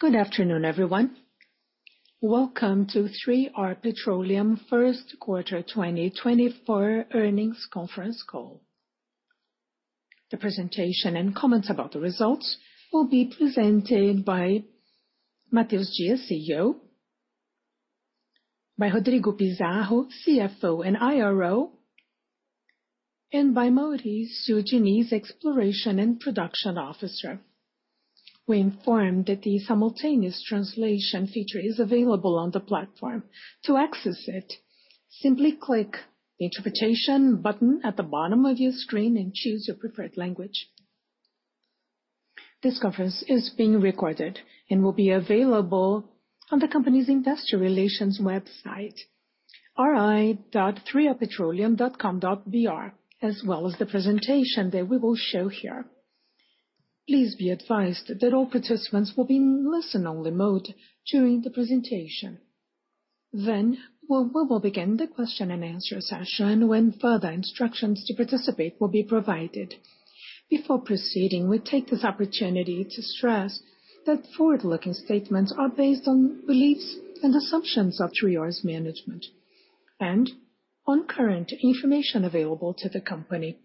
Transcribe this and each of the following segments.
Good afternoon, everyone. Welcome to 3R Petroleum first quarter 2024 earnings conference call. The presentation and comments about the results will be presented by Matheus Dias, CEO, by Rodrigo Pizarro, CFO and IRO, and by Maurício Diniz, COO. We inform that the simultaneous translation feature is available on the platform. To access it, simply click the interpretation button at the bottom of your screen and choose your preferred language. This conference is being recorded and will be available on the company's Investor Relations website, ri.3rpetroleum.com.br, as well as the presentation that we will show here. Please be advised that all participants will be in listen-only mode during the presentation. Then we will begin the question-and-answer session when further instructions to participate will be provided. Before proceeding, we take this opportunity to stress that forward-looking statements are based on beliefs and assumptions of 3R's management and on current information available to the company.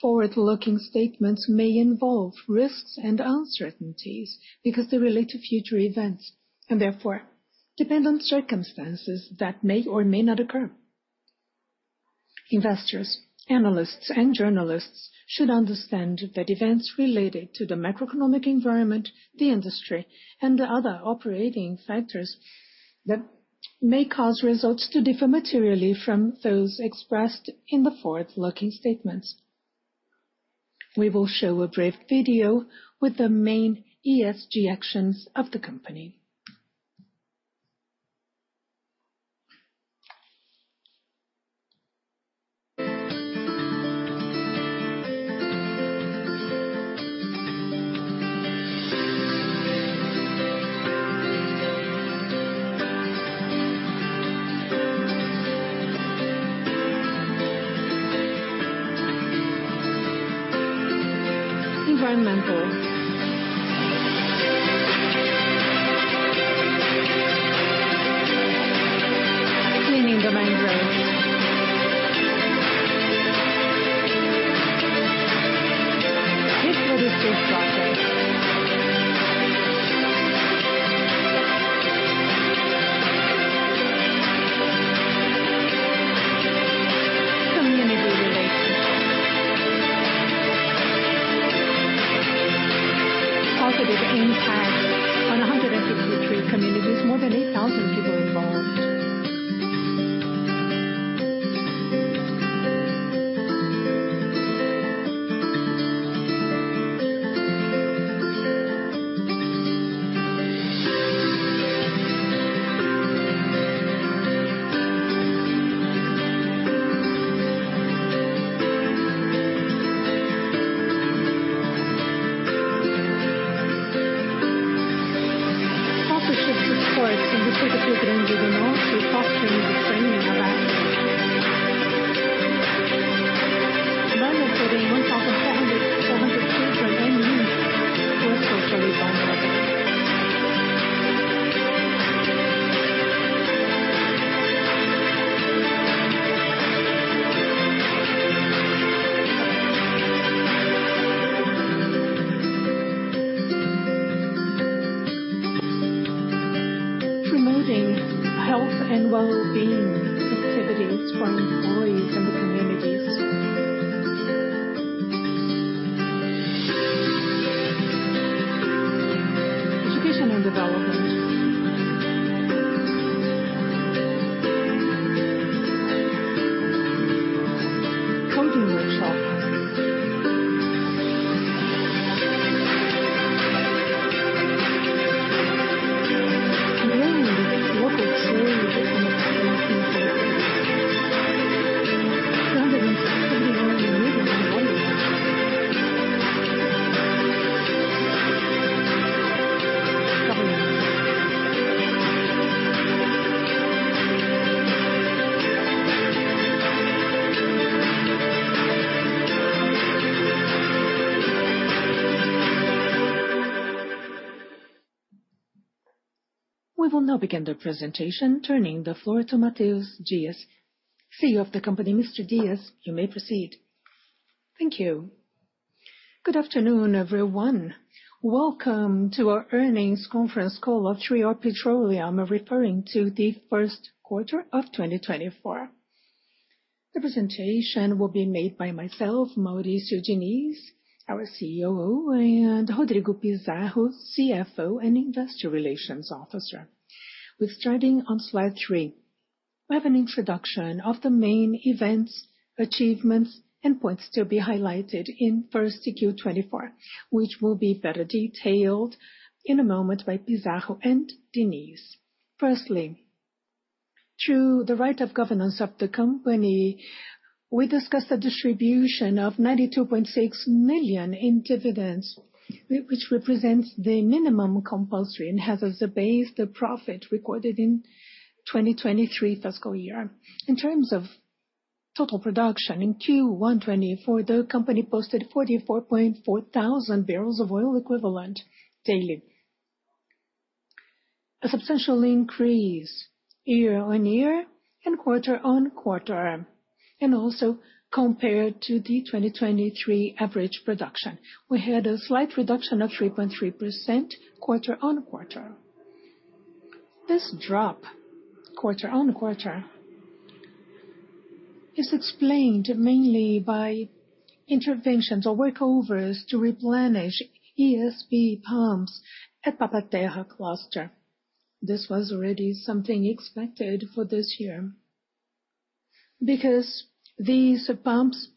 Forward-looking statements may involve risks and uncertainties because they relate to future events and, therefore, depend on circumstances that may or may not occur. Investors, analysts, and journalists should understand that events related to the macroeconomic environment, the industry, and the other operating factors may cause results to differ materially from those expressed in the forward-looking statements. We will show a brief video with the main ESG actions of the company. impact on 163 communities, more than 8,000 people involved. Partnership supports and recruitment of children with a. [inaudible] Benefiting 1,400 children and youth who are socially vulnerable. Promoting health and well-being activities for employees and the communities. Education and development. Coding workshops. Enjoying local trade and expertise activities. Governance. We will now begin the presentation, turning the floor to Matheus Dias, CEO of the company. Mr. Dias, you may proceed. Thank you. Good afternoon, everyone. Welcome to our earnings conference call of 3R Petroleum, referring to the first quarter of 2024. The presentation will be made by myself, Maurício Diniz, our COO, and Rodrigo Pizarro, CFO and Investor Relations Officer. We're starting on slide 3. We have an introduction of the main events, achievements, and points to be highlighted in first Q24, which will be better detailed in a moment by Pizarro and Diniz. Firstly, through the right of governance of the company, we discussed the distribution of 92.6 million in dividends, which represents the minimum compulsory and has as a base the profit recorded in 2023 fiscal year. In terms of total production in Q1 2024, the company posted 44,400 barrels of oil equivalent daily, a substantial increase year-on-year and quarter-on-quarter, and also compared to the 2023 average production. We had a slight reduction of 3.3% quarter-on-quarter. This drop quarter-on-quarter is explained mainly by interventions or workovers to replenish ESP pumps at Papa-Terra cluster. This was already something expected for this year because these pumps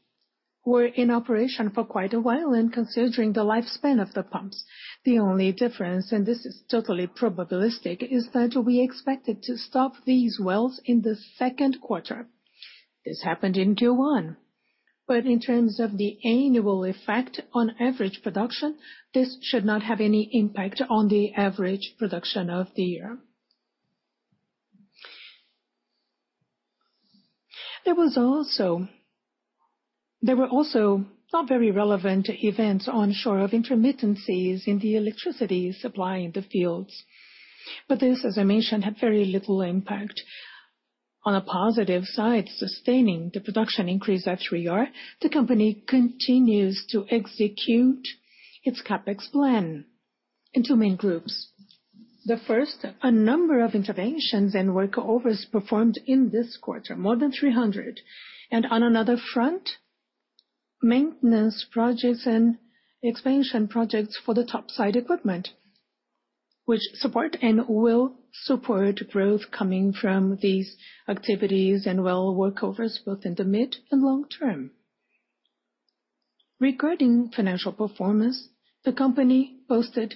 were in operation for quite a while and considering the lifespan of the pumps. The only difference, and this is totally probabilistic, is that we expected to stop these wells in the Q2. This happened in Q1, but in terms of the annual effect on average production, this should not have any impact on the average production of the year. There was also not very relevant onshore events of intermittencies in the electricity supply in the fields, but this, as I mentioned, had very little impact. On a positive side, sustaining the production increase at 3R, the company continues to execute its CapEx plan into main groups. The first, a number of interventions and workovers performed in this quarter, more than 300, and on another front, maintenance projects and expansion projects for the topside equipment, which support and will support growth coming from these activities and well workovers both in the mid and long term. Regarding financial performance, the company posted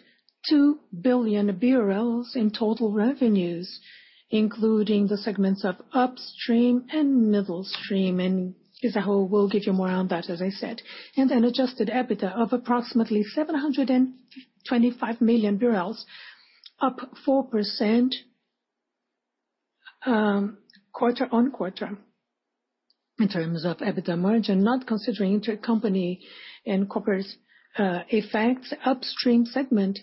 2 billion BRL in total revenues, including the segments of upstream and midstream, and Pizarro will give you more on that, as I said, and an adjusted EBITDA of approximately 725 million BRL, up 4% quarter-on-quarter in terms of EBITDA margin, not considering intercompany and corporate effects. Upstream segment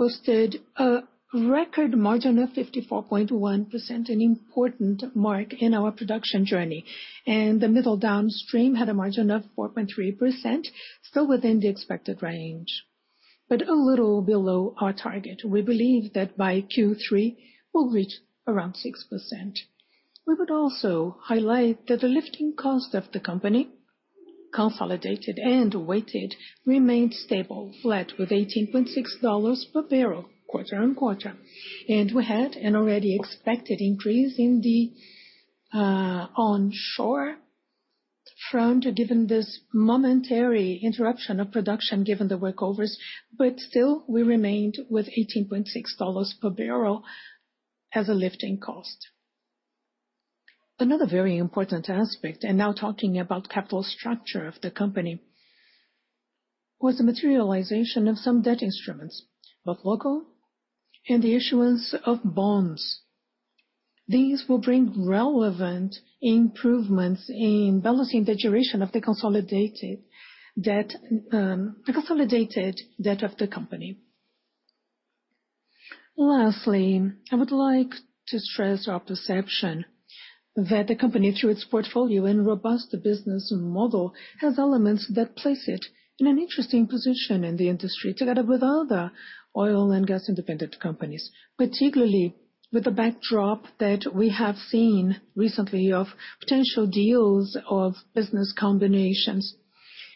posted a record margin of 54.1%, an important mark in our production journey, and the midstream and downstream had a margin of 4.3%, still within the expected range, but a little below our target. We believe that by Q3 we'll reach around 6%. We would also highlight that the lifting cost of the company, consolidated and weighted, remained stable, flat with $18.6 per barrel quarter-over-quarter, and we had an already expected increase in the onshore front given this momentary interruption of production given the workovers, but still we remained with $18.6 per barrel as a lifting cost. Another very important aspect, and now talking about capital structure of the company, was the materialization of some debt instruments, both local, and the issuance of bonds. These will bring relevant improvements in balancing the duration of the consolidated debt of the company. Lastly, I would like to stress our perception that the company, through its portfolio and robust business model, has elements that place it in an interesting position in the industry together with other oil and gas-independent companies, particularly with the backdrop that we have seen recently of potential deals of business combinations.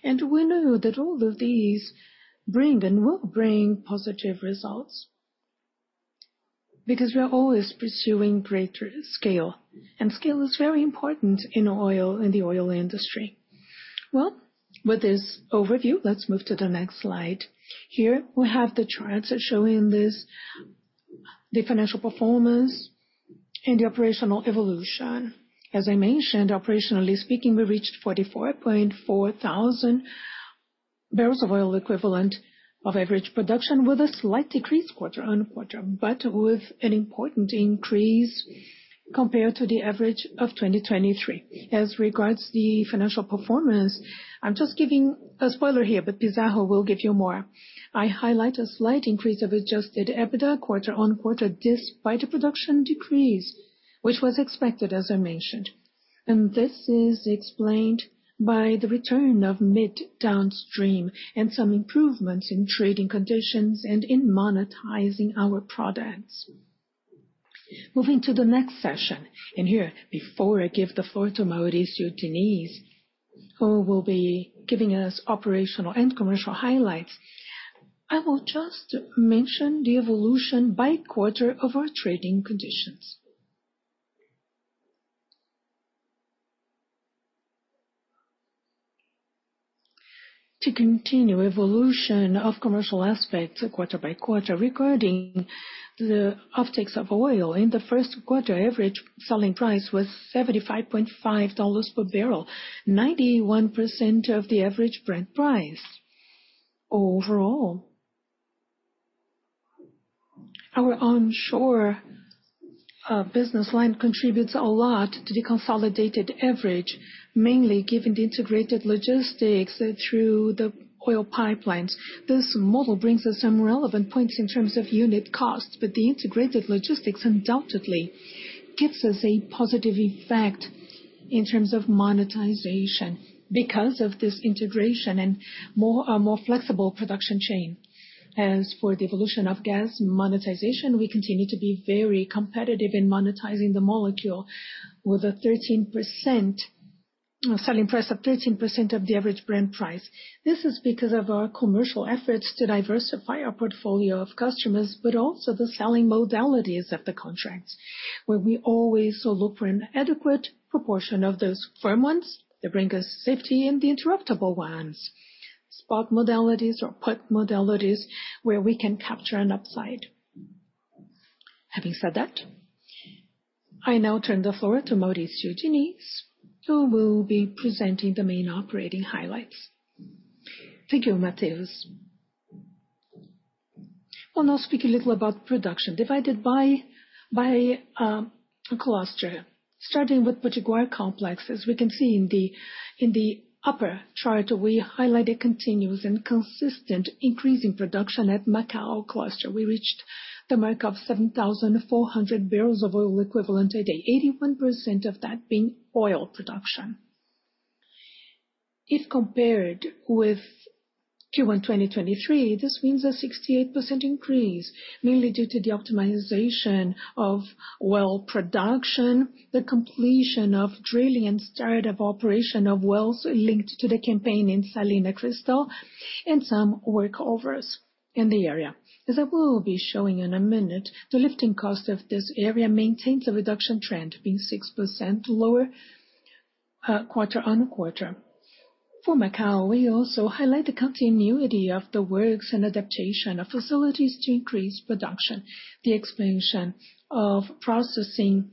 We know that all of these bring and will bring positive results because we are always pursuing greater scale, and scale is very important in the oil industry. Well, with this overview, let's move to the next slide. Here we have the charts showing the financial performance and the operational evolution. As I mentioned, operationally speaking, we reached 44,400 barrels of oil equivalent of average production with a slight decrease quarter-on-quarter, but with an important increase compared to the average of 2023. As regards the financial performance, I'm just giving a spoiler here, but Pizarro will give you more. I highlight a slight increase of adjusted EBITDA quarter-over-quarter despite a production decrease, which was expected, as I mentioned. And this is explained by the return of mid downstream and some improvements in trading conditions and in monetizing our products. Moving to the next session, and here, before I give the floor to Maurício Diniz, who will be giving us operational and commercial highlights, I will just mention the evolution by quarter of our trading conditions. To continue evolution of commercial aspects quarter by quarter regarding the uptake of oil, in the first quarter, average selling price was $75.5 per barrel, 91% of the average Brent price overall. Our onshore business line contributes a lot to the consolidated average, mainly given the integrated logistics through the oil pipelines. This model brings us some relevant points in terms of unit costs, but the integrated logistics undoubtedly gives us a positive effect in terms of monetization because of this integration and a more flexible production chain. As for the evolution of gas monetization, we continue to be very competitive in monetizing the molecule with a selling price of 13% of the average Brent price. This is because of our commercial efforts to diversify our portfolio of customers, but also the selling modalities of the contracts, where we always look for an adequate proportion of those firm ones that bring us safety and the interruptible ones, spot modalities or put modalities where we can capture an upside. Having said that, I now turn the floor to Maurício Diniz, who will be presenting the main operating highlights. Thank you, Matheus. We'll now speak a little about production divided by a cluster. Starting with Potiguar complexes, we can see in the upper chart we highlight a continuous and consistent increase in production at Macau Cluster. We reached the mark of 7,400 barrels of oil equivalent a day, 81% of that being oil production. If compared with Q1 2023, this means a 68% increase, mainly due to the optimization of well production, the completion of drilling and start of operation of wells linked to the campaign in Salina Cristal, and some workovers in the area. As I will be showing in a minute, the lifting cost of this area maintains a reduction trend, being 6% lower quarter-over-quarter. For Macau, we also highlight the continuity of the works and adaptation of facilities to increase production, the expansion of processing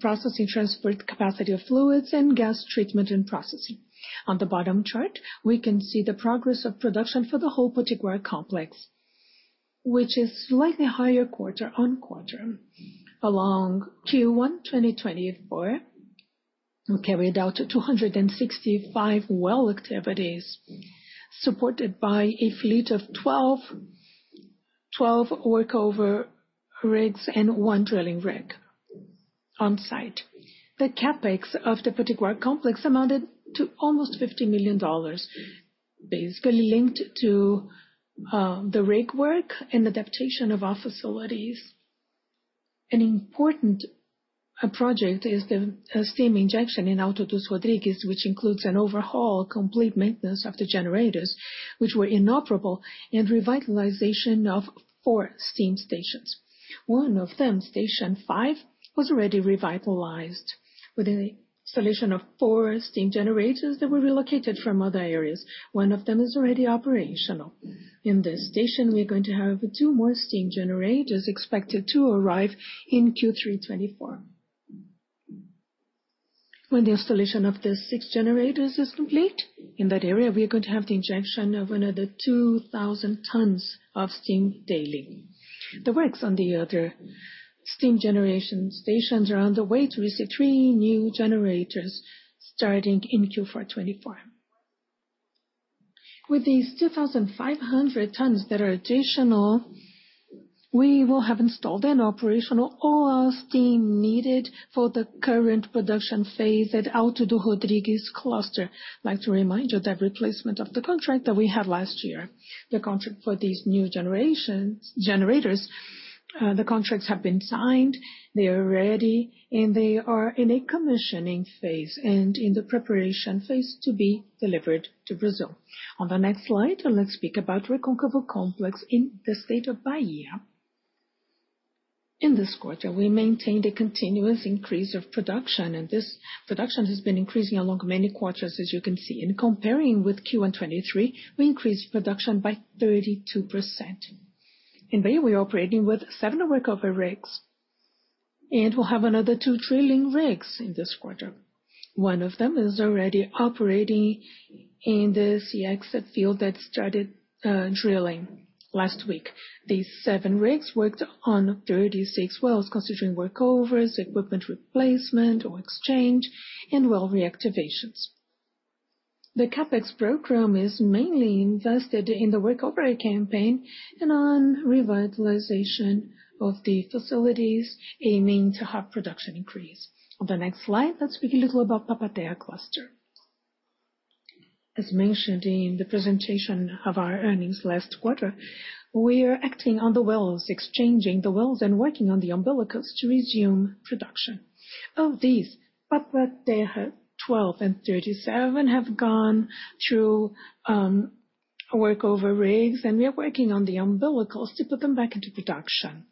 transport capacity of fluids and gas treatment and processing. On the bottom chart, we can see the progress of production for the whole Potiguar complex, which is slightly higher quarter-over-quarter. Along Q1 2024, we carried out 265 well activities, supported by a fleet of 12 workover rigs and one drilling rig on site. The CapEx of the Potiguar complex amounted to almost $50 million, basically linked to the rig work and adaptation of our facilities. An important project is the steam injection in Alto do Rodrigues, which includes an overhaul, complete maintenance of the generators, which were inoperable, and revitalization of four steam stations. One of them, station five, was already revitalized with the installation of four steam generators that were relocated from other areas. One of them is already operational. In this station, we are going to have two more steam generators expected to arrive in Q3 2024. When the installation of the six generators is complete in that area, we are going to have the injection of another 2,000 tons of steam daily. The works on the other steam generation stations are on the way to receive three new generators starting in Q4 2024. With these 2,500 tons that are additional, we will have installed and operational all our steam needed for the current production phase at Alto do Rodrigues cluster. I'd like to remind you of that replacement of the contract that we had last year. The contract for these new generators, the contracts have been signed, they are ready, and they are in a commissioning phase and in the preparation phase to be delivered to Brazil. On the next slide, let's speak about Recôncavo complex in the state of Bahia. In this quarter, we maintained a continuous increase of production, and this production has been increasing along many quarters, as you can see. In comparing with Q1 2023, we increased production by 32%. In Bahia, we are operating with 7 workover rigs, and we'll have another 2 drilling rigs in this quarter. One of them is already operating in the Cexis field that started drilling last week. These 7 rigs worked on 36 wells, considering workovers, equipment replacement or exchange, and well reactivations. The CapEx program is mainly invested in the workover campaign and on revitalization of the facilities, aiming to have production increase. On the next slide, let's speak a little about Papa-Terra cluster. As mentioned in the presentation of our earnings last quarter, we are acting on the wells, exchanging the wells and working on the umbilicals to resume production. Of these, Papa-Terra 12 and 37 have gone through workover rigs, and we are working on the umbilicals to put them back into production.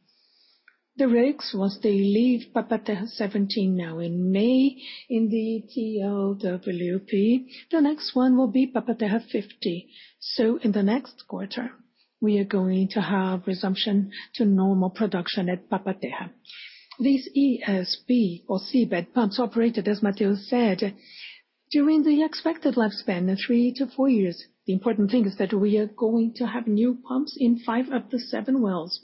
The rigs, once they leave Papa-Terra 17 now in May in the TLWP, the next one will be Papa-Terra 50. So in the next quarter, we are going to have resumption to normal production at Papa-Terra. These ESP or seabed pumps operated, as Matheus said, during the expected lifespan, 3-4 years. The important thing is that we are going to have new pumps in 5 of the 7 wells.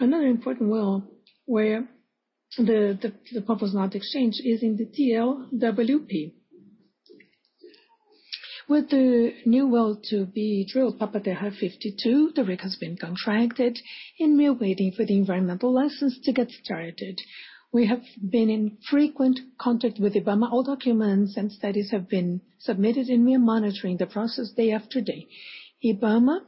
Another important well where the pump was not exchanged is in the TLWP. With the new well to be drilled, Papa-Terra 52, the rig has been contracted, and we are waiting for the environmental license to get started. We have been in frequent contact with IBAMA. All documents and studies have been submitted and we are monitoring the process day after day. Ibama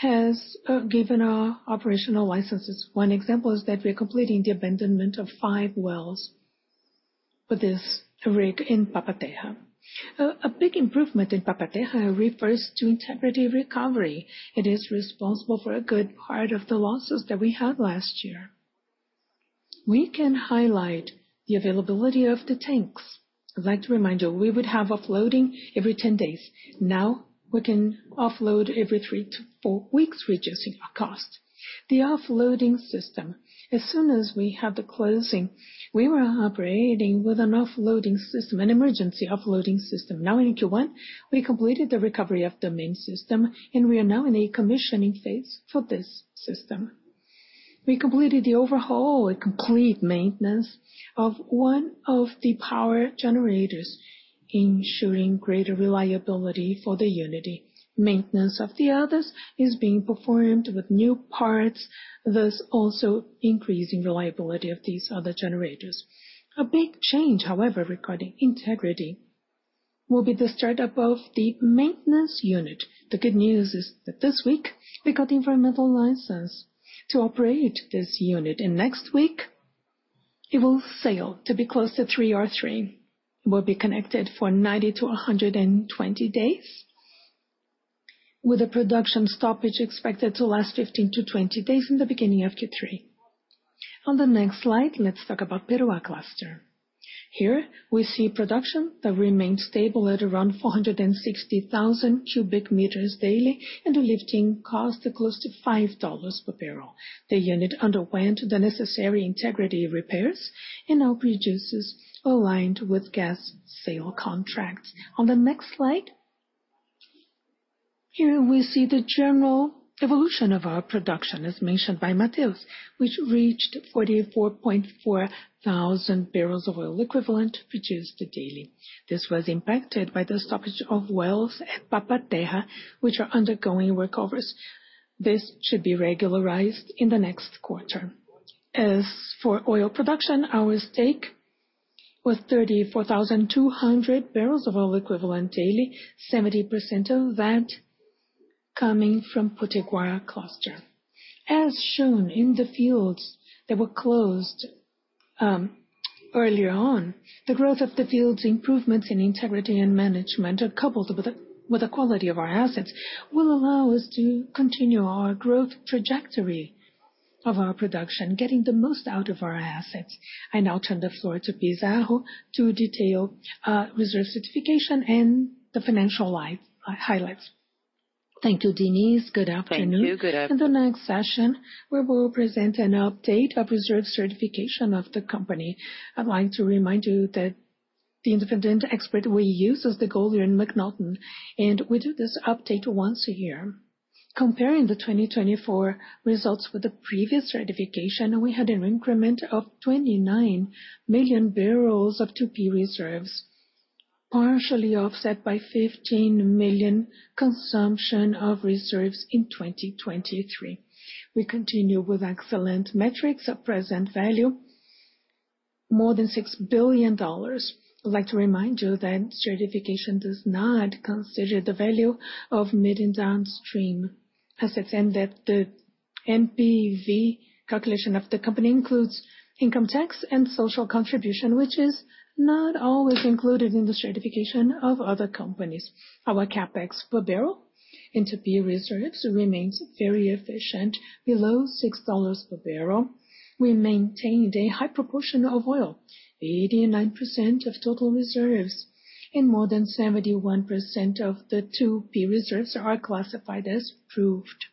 has given our operational licenses. One example is that we are completing the abandonment of five wells with this rig in Papa-Terra. A big improvement in Papa-Terra refers to integrity recovery. It is responsible for a good part of the losses that we had last year. We can highlight the availability of the tanks. I'd like to remind you, we would have offloading every 10 days. Now we can offload every three to four weeks, reducing our cost. The offloading system, as soon as we had the closing, we were operating with an offloading system, an emergency offloading system. Now in Q1, we completed the recovery of the main system, and we are now in a commissioning phase for this system. We completed the overhaul, a complete maintenance of one of the power generators, ensuring greater reliability for the unit. Maintenance of the others is being performed with new parts, thus also increasing reliability of these other generators. A big change, however, regarding integrity, will be the startup of the maintenance unit. The good news is that this week, we got the environmental license to operate this unit, and next week, it will sail to be close to 3R3. It will be connected for 90-120 days, with a production stoppage expected to last 15-20 days in the beginning of Q3. On the next slide, let's talk about Peroá cluster. Here, we see production that remained stable at around 460,000 cubic meters daily, and the lifting cost close to $5 per barrel. The unit underwent the necessary integrity repairs and now produces aligned with gas sale contracts. On the next slide, here we see the general evolution of our production, as mentioned by Matheus, which reached 44,400 barrels of oil equivalent produced daily. This was impacted by the stoppage of wells at Papa-Terra, which are undergoing workovers. This should be regularized in the next quarter. As for oil production, our stake was 34,200 barrels of oil equivalent daily, 70% of that coming from Potiguar cluster. As shown in the fields that were closed earlier on, the growth of the field's improvements in integrity and management, coupled with the quality of our assets, will allow us to continue our growth trajectory of our production, getting the most out of our assets. I now turn the floor to Pizarro to detail reserve certification and the financial highlights. Thank you, Denise. Good afternoon. Thank you. Good afternoon. In the next session, we will present an update of reserve certification of the company. I'd like to remind you that the independent expert we use is DeGolyer and MacNaughton, and we do this update once a year. Comparing the 2024 results with the previous certification, we had an increment of 29 million barrels of 2P reserves, partially offset by 15 million consumption of reserves in 2023. We continue with excellent metrics at present value, more than $6 billion. I'd like to remind you that certification does not consider the value of midstream and downstream assets and that the NPV calculation of the company includes income tax and social contribution, which is not always included in the certification of other companies. Our CapEx per barrel in 2P reserves remains very efficient, below $6 per barrel. We maintained a high proportion of oil, 89% of total reserves, and more than 71% of the 2P reserves are classified as proved.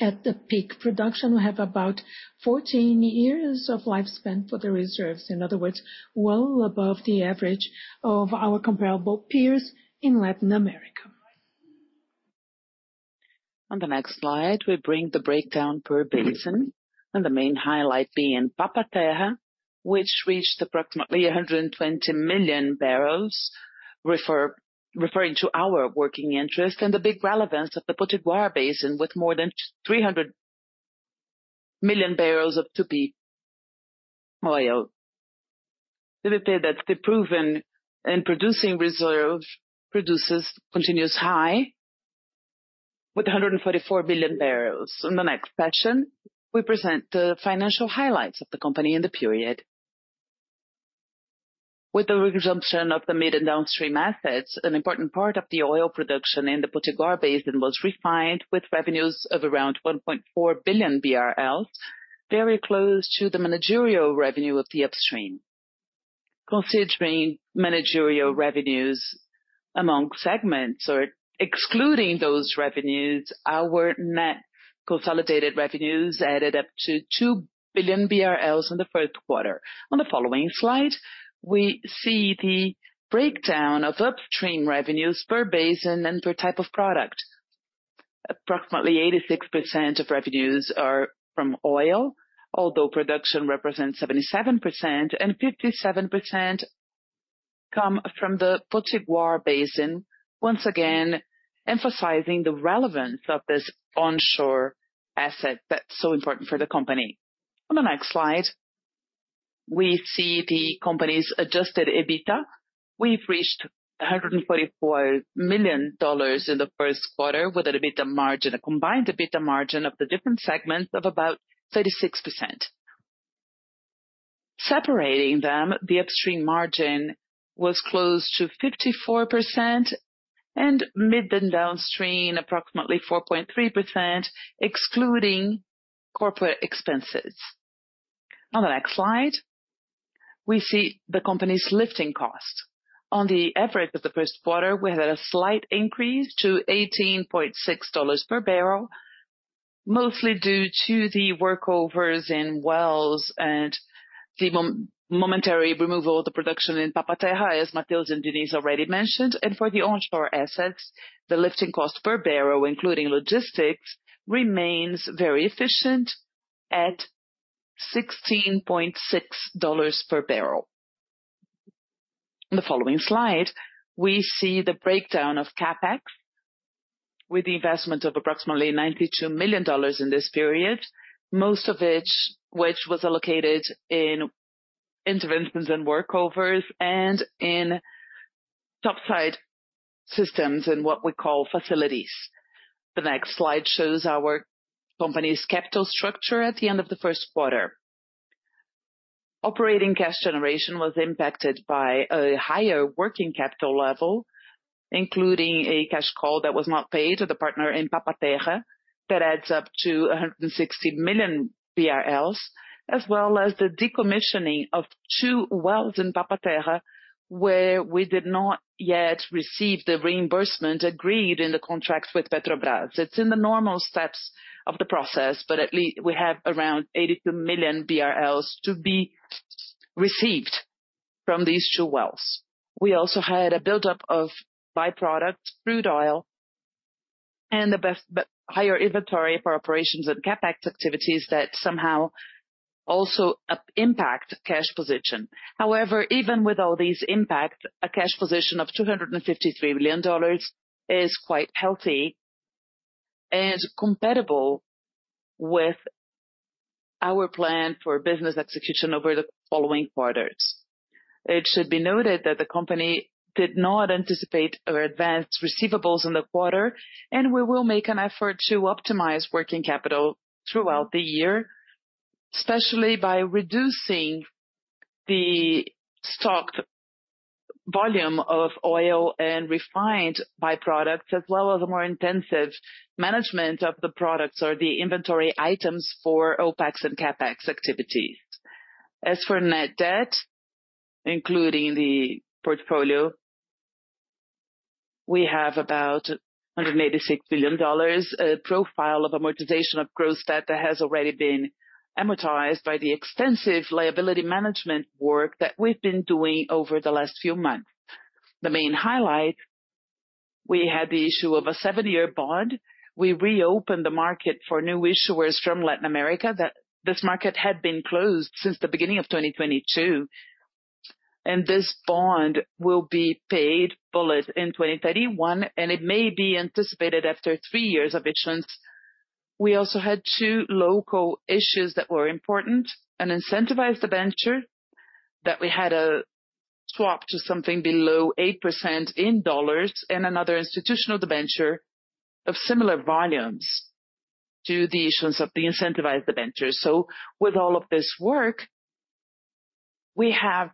At the peak production, we have about 14 years of lifespan for the reserves, in other words, well above the average of our comparable peers in Latin America. On the next slide, we bring the breakdown per basin, and the main highlight being Papa-Terra, which reached approximately 120 million barrels, referring to our working interest and the big relevance of the Potiguar basin with more than 300 million barrels of 2P oil. Let me say that the proven and producing reserve produces continuous high with 144 million barrels. In the next session, we present the financial highlights of the company in the period. With the resumption of the mid and downstream assets, an important part of the oil production in the Potiguar basin was refined with revenues of around 1.4 billion BRL, very close to the managerial revenue of the upstream. Considering managerial revenues among segments, or excluding those revenues, our net consolidated revenues added up to 2 billion BRL in the first quarter. On the following slide, we see the breakdown of upstream revenues per basin and per type of product. Approximately 86% of revenues are from oil, although production represents 77%, and 57% come from the Potiguar basin, once again emphasizing the relevance of this onshore asset that's so important for the company. On the next slide, we see the company's adjusted EBITDA. We've reached $144 million in the first quarter with an EBITDA margin, a combined EBITDA margin of the different segments of about 36%. Separating them, the upstream margin was close to 54%, and mid and downstream approximately 4.3%, excluding corporate expenses. On the next slide, we see the company's lifting cost. On the average of the first quarter, we had a slight increase to $18.6 per barrel, mostly due to the workovers in wells and the momentary removal of the production in Papa-Terra, as Matheus and Diniz already mentioned. For the onshore assets, the lifting cost per barrel, including logistics, remains very efficient at $16.6 per barrel. On the following slide, we see the breakdown of CapEx, with the investment of approximately $92 million in this period, most of which was allocated in interventions and workovers and in topside systems in what we call facilities. The next slide shows our company's capital structure at the end of the first quarter. Operating cash generation was impacted by a higher working capital level, including a cash call that was not paid to the partner in Papa-Terra that adds up to 160 million BRL, as well as the decommissioning of two wells in Papa-Terra where we did not yet receive the reimbursement agreed in the contract with Petrobras. It's in the normal steps of the process, but at least we have around 82 million BRL to be received from these two wells. We also had a buildup of byproduct, crude oil, and the higher inventory for operations and CapEx activities that somehow also impact cash position. However, even with all these impacts, a cash position of $253 million is quite healthy and compatible with our plan for business execution over the following quarters. It should be noted that the company did not anticipate advanced receivables in the quarter, and we will make an effort to optimize working capital throughout the year, especially by reducing the stocked volume of oil and refined byproducts, as well as a more intensive management of the products or the inventory items for OpEx and CapEx activities. As for net debt, including the portfolio, we have about $186 billion, a profile of amortization of gross debt that has already been amortized by the extensive liability management work that we've been doing over the last few months. The main highlight, we had the issue of a seven-year bond. We reopened the market for new issuers from Latin America. This market had been closed since the beginning of 2022. This bond will be paid bullet in 2031, and it may be anticipated after three years of issuance. We also had 2 local issues that were important. An incentivized debenture that we had a swap to something below 8% in dollars, and another institutional debenture of similar volumes to the issuance of the incentivized debenture. So with all of this work, we have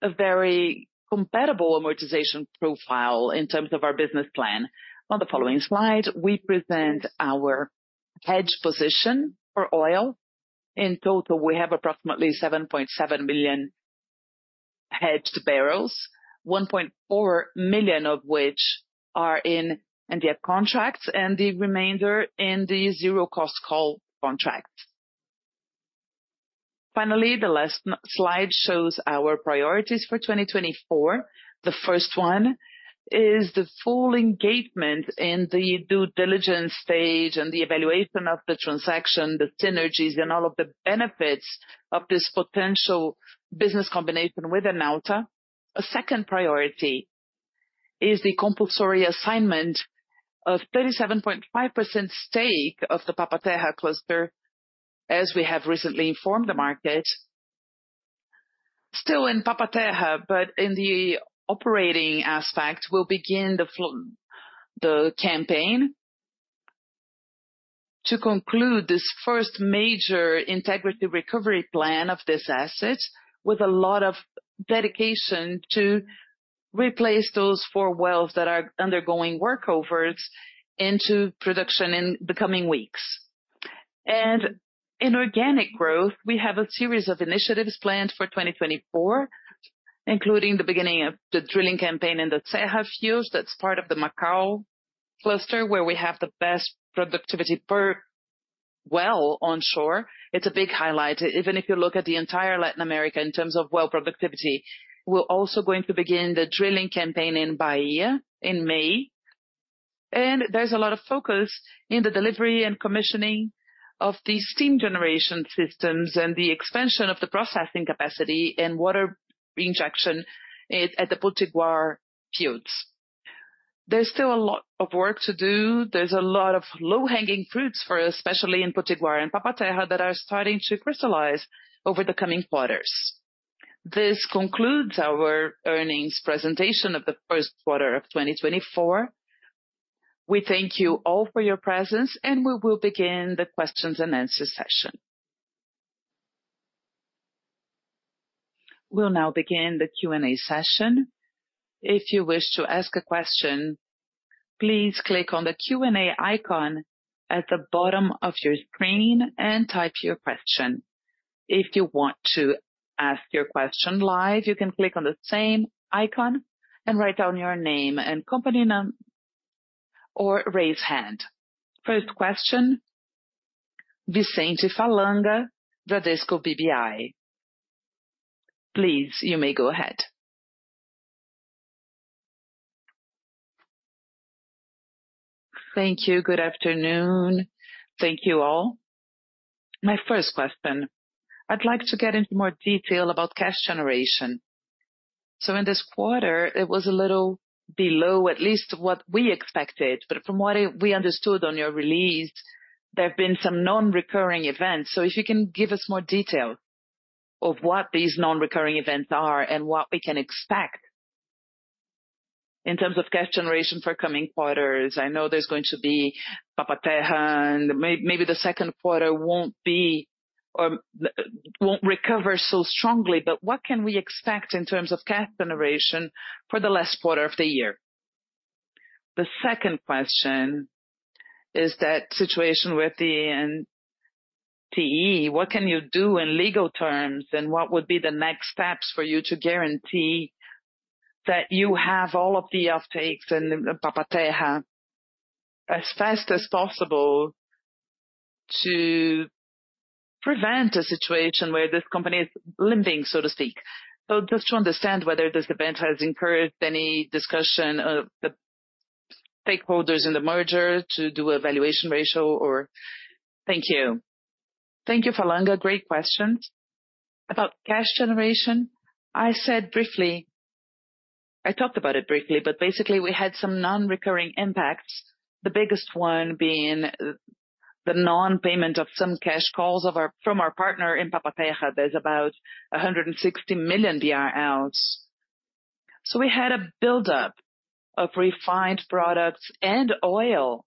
a very compatible amortization profile in terms of our business plan. On the following slide, we present our hedged position for oil. In total, we have approximately 7.7 million hedged barrels, 1.4 million of which are in NDF contracts and the remainder in the zero-cost call contracts. Finally, the last slide shows our priorities for 2024. The first one is the full engagement in the due diligence stage and the evaluation of the transaction, the synergies, and all of the benefits of this potential business combination with Enauta. A second priority is the compulsory assignment of 37.5% stake of the Papa-Terra cluster, as we have recently informed the market. Still in Papa-Terra, but in the operating aspect, we'll begin the campaign to conclude this first major integrity recovery plan of this asset with a lot of dedication to replace those four wells that are undergoing workovers into production in the coming weeks. In organic growth, we have a series of initiatives planned for 2024, including the beginning of the drilling campaign in the Tseja Fields. That's part of the Macau cluster where we have the best productivity per well onshore. It's a big highlight, even if you look at the entire Latin America in terms of well productivity. We're also going to begin the drilling campaign in Bahia in May. There's a lot of focus in the delivery and commissioning of these steam generation systems and the expansion of the processing capacity and water injection at the Potiguar fields. There's still a lot of work to do. There's a lot of low-hanging fruits, especially in Potiguar and Papa-Terra, that are starting to crystallize over the coming quarters. This concludes our earnings presentation of the first quarter of 2024. We thank you all for your presence, and we will begin the questions and answers session. We'll now begin the Q&A session. If you wish to ask a question, please click on the Q&A icon at the bottom of your screen and type your question. If you want to ask your question live, you can click on the same icon and write down your name and company name or raise hand. First question, Vicente Falanga, Bradesco BBI. Please, you may go ahead. Thank you. Good afternoon. Thank you all. My first question, I'd like to get into more detail about cash generation. So in this quarter, it was a little below, at least what we expected. But from what we understood on your release, there have been some non-recurring events. So if you can give us more detail of what these non-recurring events are and what we can expect in terms of cash generation for coming quarters? I know there's going to be Papa-Terra, and maybe the second quarter won't be or won't recover so strongly. But what can we expect in terms of cash generation for the last quarter of the year? The second question is that situation with the NTE. What can you do in legal terms, and what would be the next steps for you to guarantee that you have all of the uptakes in Papa-Terra as fast as possible to prevent a situation where this company is limping, so to speak? So just to understand whether this event has encouraged any discussion of the stakeholders in the merger to do a valuation ratio, or thank you. Thank you, Falanga. Great question. About cash generation, I said briefly I talked about it briefly, but basically we had some non-recurring impacts, the biggest one being the non-payment of some cash calls from our partner in Papa-Terra. There's about 160 million BRL. So we had a buildup of refined products and oil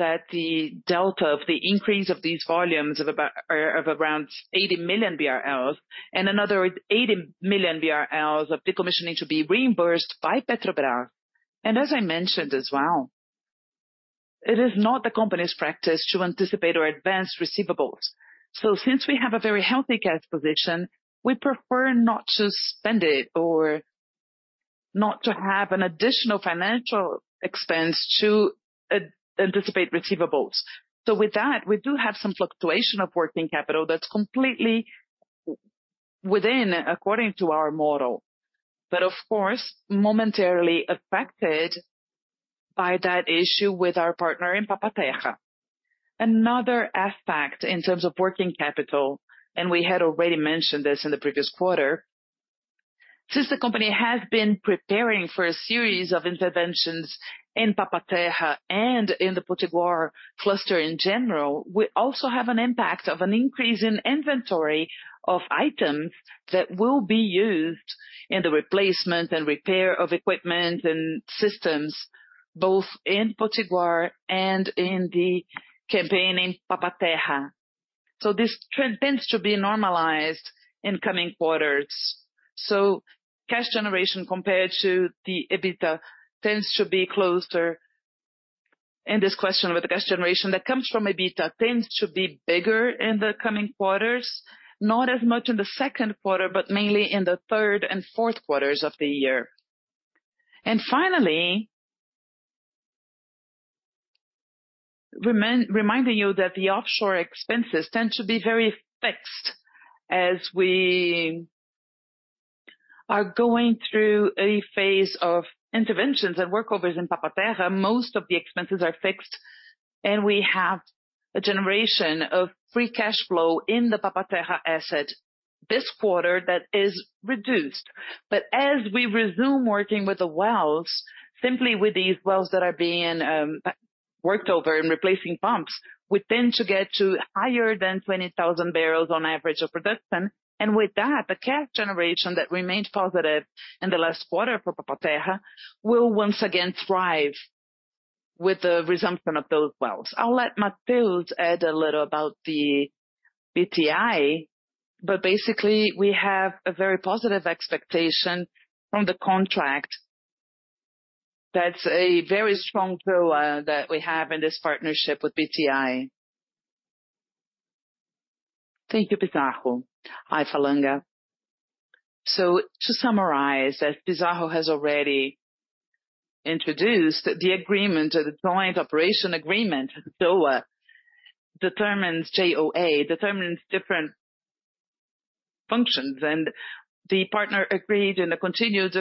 that the delta of the increase of these volumes of around 80 million BRL and another 80 million BRL of decommissioning to be reimbursed by Petrobras. As I mentioned as well, it is not the company's practice to anticipate or advance receivables. So since we have a very healthy cash position, we prefer not to spend it or not to have an additional financial expense to anticipate receivables. So with that, we do have some fluctuation of working capital that's completely within, according to our model, but of course, momentarily affected by that issue with our partner in Papa-Terra. Another aspect in terms of working capital, and we had already mentioned this in the previous quarter, since the company has been preparing for a series of interventions in Papa-Terra and in the Potiguar cluster in general, we also have an impact of an increase in inventory of items that will be used in the replacement and repair of equipment and systems, both in Potiguar and in the campaign in Papa-Terra. So this tends to be normalized in coming quarters. So cash generation compared to the EBITDA tends to be closer. And this question with the cash generation that comes from EBITDA tends to be bigger in the coming quarters, not as much in the second quarter, but mainly in the third and fourth quarters of the year. And finally, reminding you that the offshore expenses tend to be very fixed as we are going through a phase of interventions and workovers in Papa-Terra, most of the expenses are fixed, and we have a generation of free cash flow in the Papa-Terra asset this quarter that is reduced. But as we resume working with the wells, simply with these wells that are being worked over and replacing pumps, we tend to get to higher than 20,000 barrels on average of production. With that, the cash generation that remained positive in the last quarter for Papa-Terra will once again thrive with the resumption of those wells. I'll let Matheus add a little about the NTE. But basically, we have a very positive expectation from the contract. That's a very strong JOA that we have in this partnership with NTE. Thank you, Pizarro. Hi, Falanga. To summarize, as Pizarro has already introduced, the agreement, the joint operation agreement, JOA, determines JOA, determines different functions. And the partner agreed and continued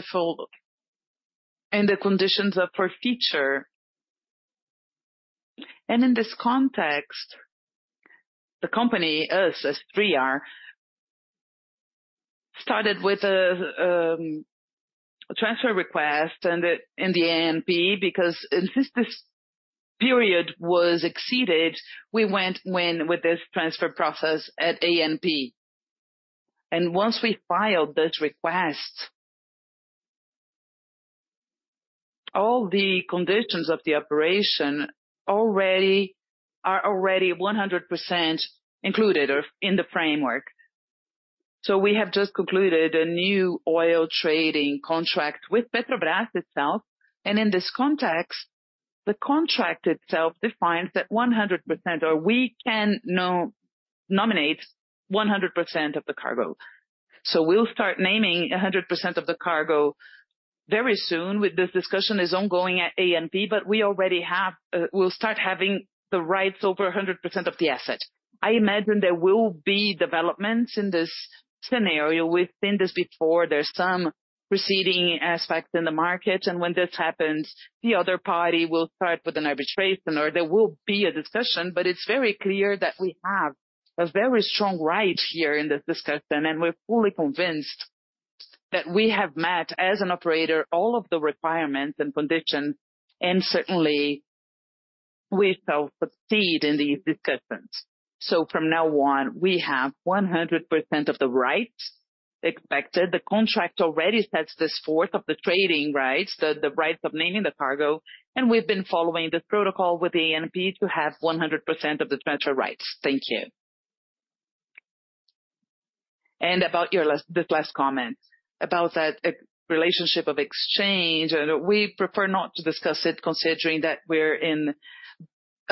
in the conditions for future. And in this context, the company, us as 3R, started with a transfer request and in the ANP because since this period was exceeded, we went with this transfer process at ANP. And once we filed this request, all the conditions of the operation are already 100% included in the framework. So we have just concluded a new oil trading contract with Petrobras itself. In this context, the contract itself defines that 100%, or we can nominate 100% of the cargo. We'll start naming 100% of the cargo very soon. This discussion is ongoing at ANP, but we already have we'll start having the rights over 100% of the asset. I imagine there will be developments in this scenario. We've seen this before. There's some preceding aspects in the market. When this happens, the other party will start with an arbitration, or there will be a discussion. But it's very clear that we have a very strong right here in this discussion, and we're fully convinced that we have met as an operator all of the requirements and conditions, and certainly we shall succeed in these discussions. From now on, we have 100% of the rights expected. The contract already sets this forth of the trading rights, the rights of naming the cargo. And we've been following this protocol with ANP to have 100% of the transfer rights. Thank you. And about your this last comment about that relationship of exchange, we prefer not to discuss it considering that we're in a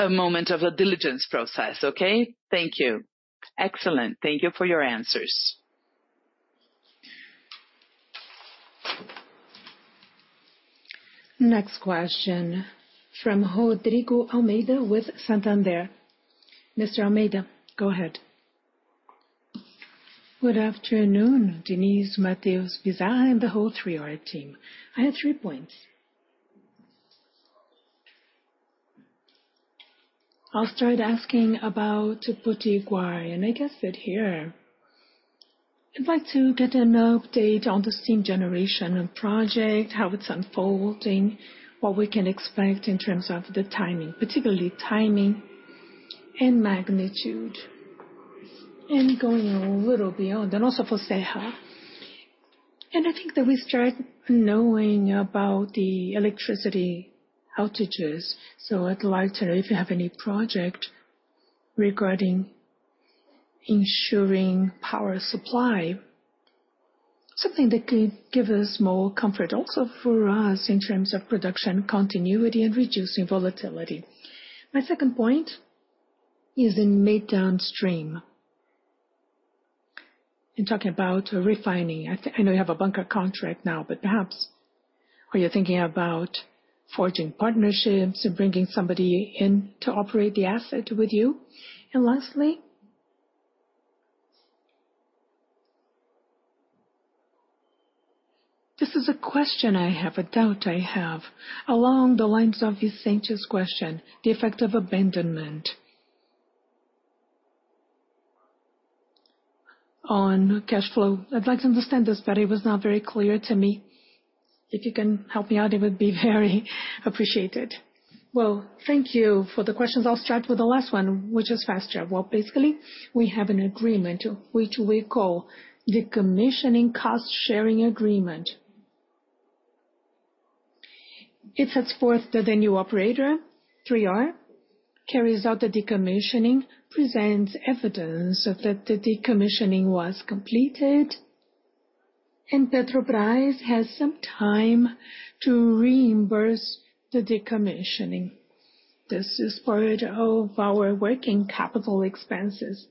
moment of a diligence process. Okay? Thank you. Excellent. Thank you for your answers. Next question from Rodrigo Almeida with Santander. Mr. Almeida, go ahead. Good afternoon, Matheus Dias, Pizarro, and the whole 3R team. I have three points. I'll start asking about Potiguar, and I guess fit here. I'd like to get an update on the steam generation project, how it's unfolding, what we can expect in terms of the timing, particularly timing and magnitude, and going a little beyond, and also for Tseha. I think that we start knowing about the electricity outages. So I'd like to know if you have any project regarding ensuring power supply, something that could give us more comfort also for us in terms of production continuity and reducing volatility. My second point is in mid-downstream and talking about refining. I know you have a bunker contract now, but perhaps are you thinking about forging partnerships and bringing somebody in to operate the asset with you? And lastly, this is a question I have, a doubt I have. Along the lines of Vicente's question, the effect of abandonment on cash flow. I'd like to understand this, but it was not very clear to me. If you can help me out, it would be very appreciated. Well, thank you for the questions. I'll start with the last one, which is faster. Well, basically, we have an agreement, which we call the Decommissioning Cost Sharing Agreement. It sets forth that the new operator, 3R, carries out the decommissioning, presents evidence that the decommissioning was completed, and Petrobras has some time to reimburse the decommissioning. This is part of our working capital expenses,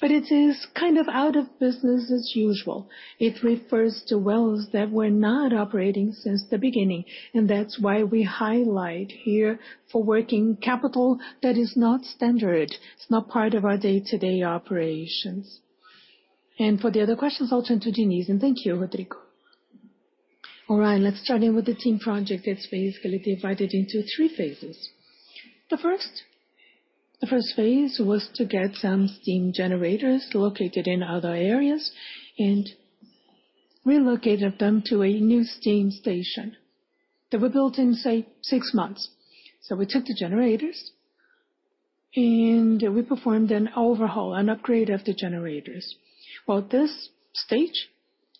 but it is kind of out of business as usual. It refers to wells that were not operating since the beginning, and that's why we highlight here for working capital that is not standard. It's not part of our day-to-day operations. And for the other questions, I'll turn to Denise. And thank you, Rodrigo. All right, let's start in with the team project. It's basically divided into three phases. The first phase was to get some steam generators located in other areas and relocated them to a new steam station that were built in, say, six months. So we took the generators, and we performed an overhaul, an upgrade of the generators. Well, this stage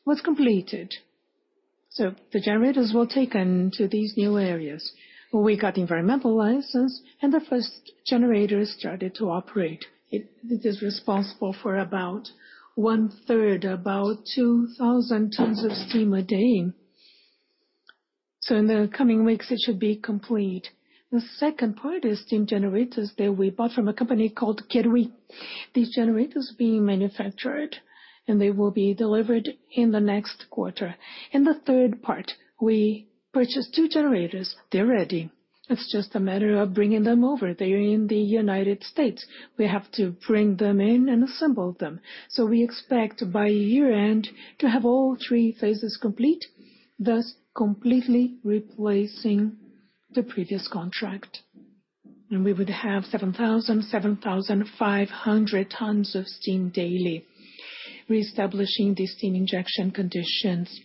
was completed. So the generators were taken to these new areas. We got the environmental license, and the first generators started to operate. It is responsible for about one-third, about 2,000 tons of steam a day. So in the coming weeks, it should be complete. The second part is steam generators that we bought from a company called Kerui. These generators are being manufactured, and they will be delivered in the next quarter. And the third part, we purchased two generators. They're ready. It's just a matter of bringing them over. They're in the United States. We have to bring them in and assemble them. So we expect by year-end to have all three phases complete, thus completely replacing the previous contract. We would have 7,000-7,500 tons of steam daily, reestablishing the steam injection conditions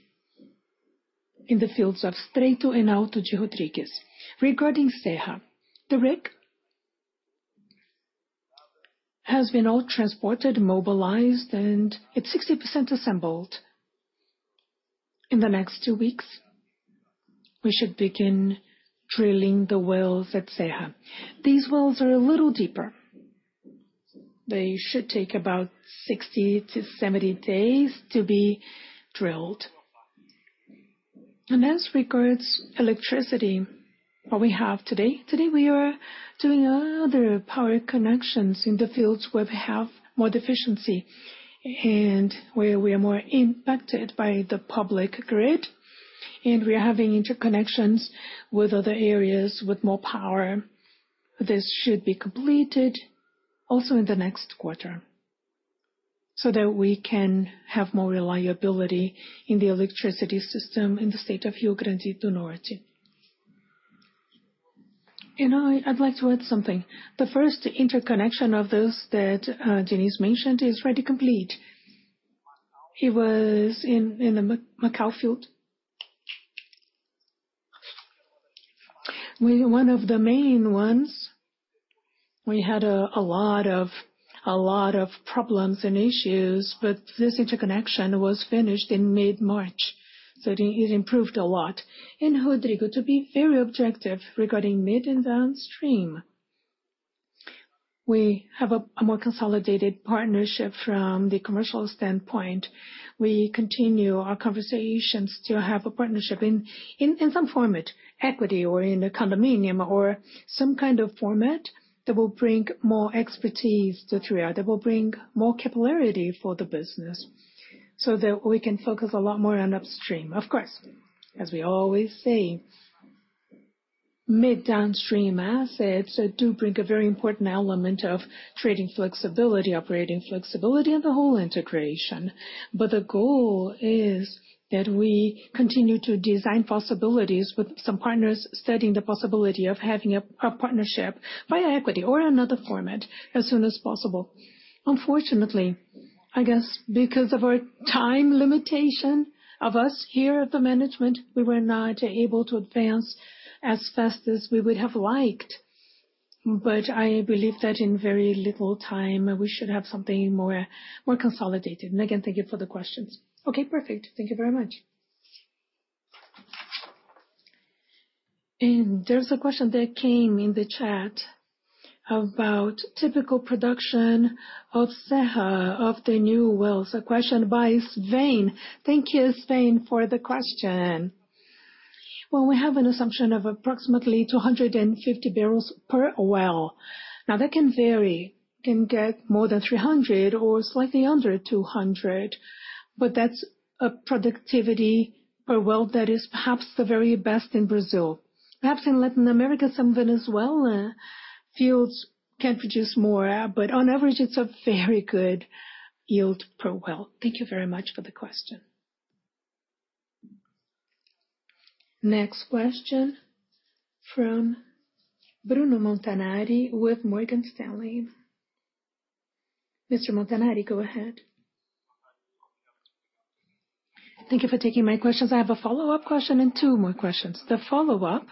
in the fields of Estreito and Alto do Rodrigues. Regarding Tseha, the rig has been all transported, mobilized, and it's 60% assembled. In the next two weeks, we should begin drilling the wells at Tseha. These wells are a little deeper. They should take about 60-70 days to be drilled. And as regards electricity, what we have today, today we are doing other power connections in the fields where we have more deficiency and where we are more impacted by the public grid, and we are having interconnections with other areas with more power. This should be completed also in the next quarter so that we can have more reliability in the electricity system in the state of Rio Grande do Norte. And I'd like to add something. The first interconnection of those that Denise mentioned is already complete. It was in the Macau field. One of the main ones, we had a lot of problems and issues, but this interconnection was finished in mid-March, so it improved a lot. And Rodrigo, to be very objective regarding midstream and downstream, we have a more consolidated partnership from the commercial standpoint. We continue our conversations to have a partnership in some format, equity or in a condominium or some kind of format that will bring more expertise to 3R, that will bring more capillarity for the business so that we can focus a lot more on upstream. Of course, as we always say, midstream-downstream assets do bring a very important element of trading flexibility, operating flexibility, and the whole integration. But the goal is that we continue to design possibilities with some partners studying the possibility of having a partnership via equity or another format as soon as possible. Unfortunately, I guess because of our time limitation of us here at the management, we were not able to advance as fast as we would have liked. But I believe that in very little time, we should have something more consolidated. And again, thank you for the questions. Okay, perfect. Thank you very much. And there's a question that came in the chat about typical production of Cexis of the new wells. A question by Svane. Thank you, Svane, for the question. Well, we have an assumption of approximately 250 barrels per well. Now, that can vary. It can get more than 300 or slightly under 200, but that's a productivity per well that is perhaps the very best in Brazil. Perhaps in Latin America, some Venezuelan fields can produce more, but on average, it's a very good yield per well. Thank you very much for the question. Next question from Bruno Montanari with Morgan Stanley. Mr. Montanari, go ahead. Thank you for taking my questions. I have a follow-up question and two more questions. The follow-up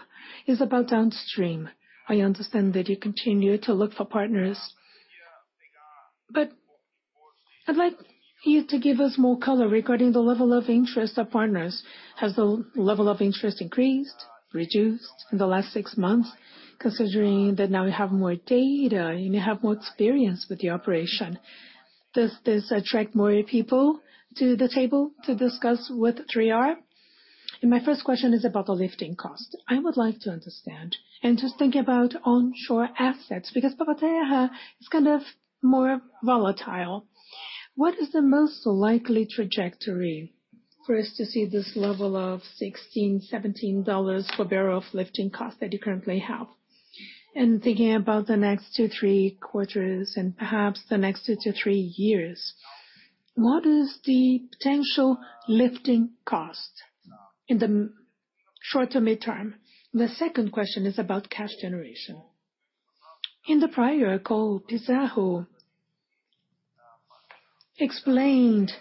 is about downstream. I understand that you continue to look for partners, but I'd like you to give us more color regarding the level of interest of partners. Has the level of interest increased, reduced in the last six months considering that now you have more data and you have more experience with the operation? Does this attract more people to the table to discuss with 3R? My first question is about the lifting cost. I would like to understand and just think about onshore assets because Papa-Terra is kind of more volatile. What is the most likely trajectory for us to see this level of $16-$17 per barrel of lifting cost that you currently have? And thinking about the next two, three quarters and perhaps the next two, three years, what is the potential lifting cost in the short to mid-term? The second question is about cash generation. In the prior call, Pizarro explained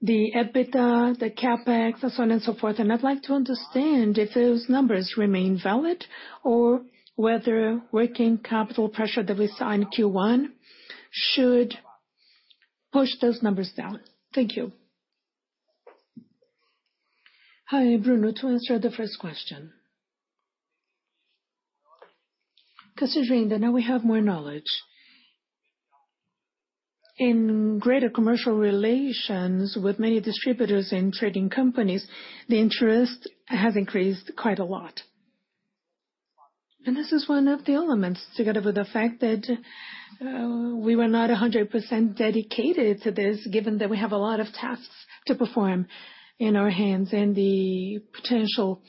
the EBITDA, the CapEx, and so on and so forth. And I'd like to understand if those numbers remain valid or whether working capital pressure that we saw in Q1 should push those numbers down. Thank you. Hi, Bruno, to answer the first question. Considering that now we have more knowledge in greater commercial relations with many distributors and trading companies, the interest has increased quite a lot. This is one of the elements together with the fact that we were not 100% dedicated to this given that we have a lot of tasks to perform in our hands and the potential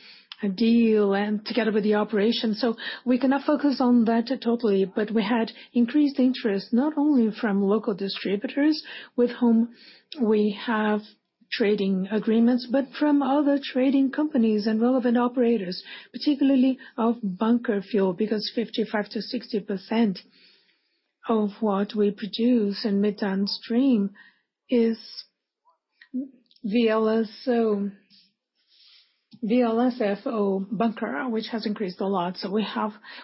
deal and together with the operation. We cannot focus on that totally, but we had increased interest not only from local distributors with whom we have trading agreements, but from other trading companies and relevant operators, particularly of bunker fuel because 55%-60% of what we produce in mid-downstream is VLSFO bunker, which has increased a lot.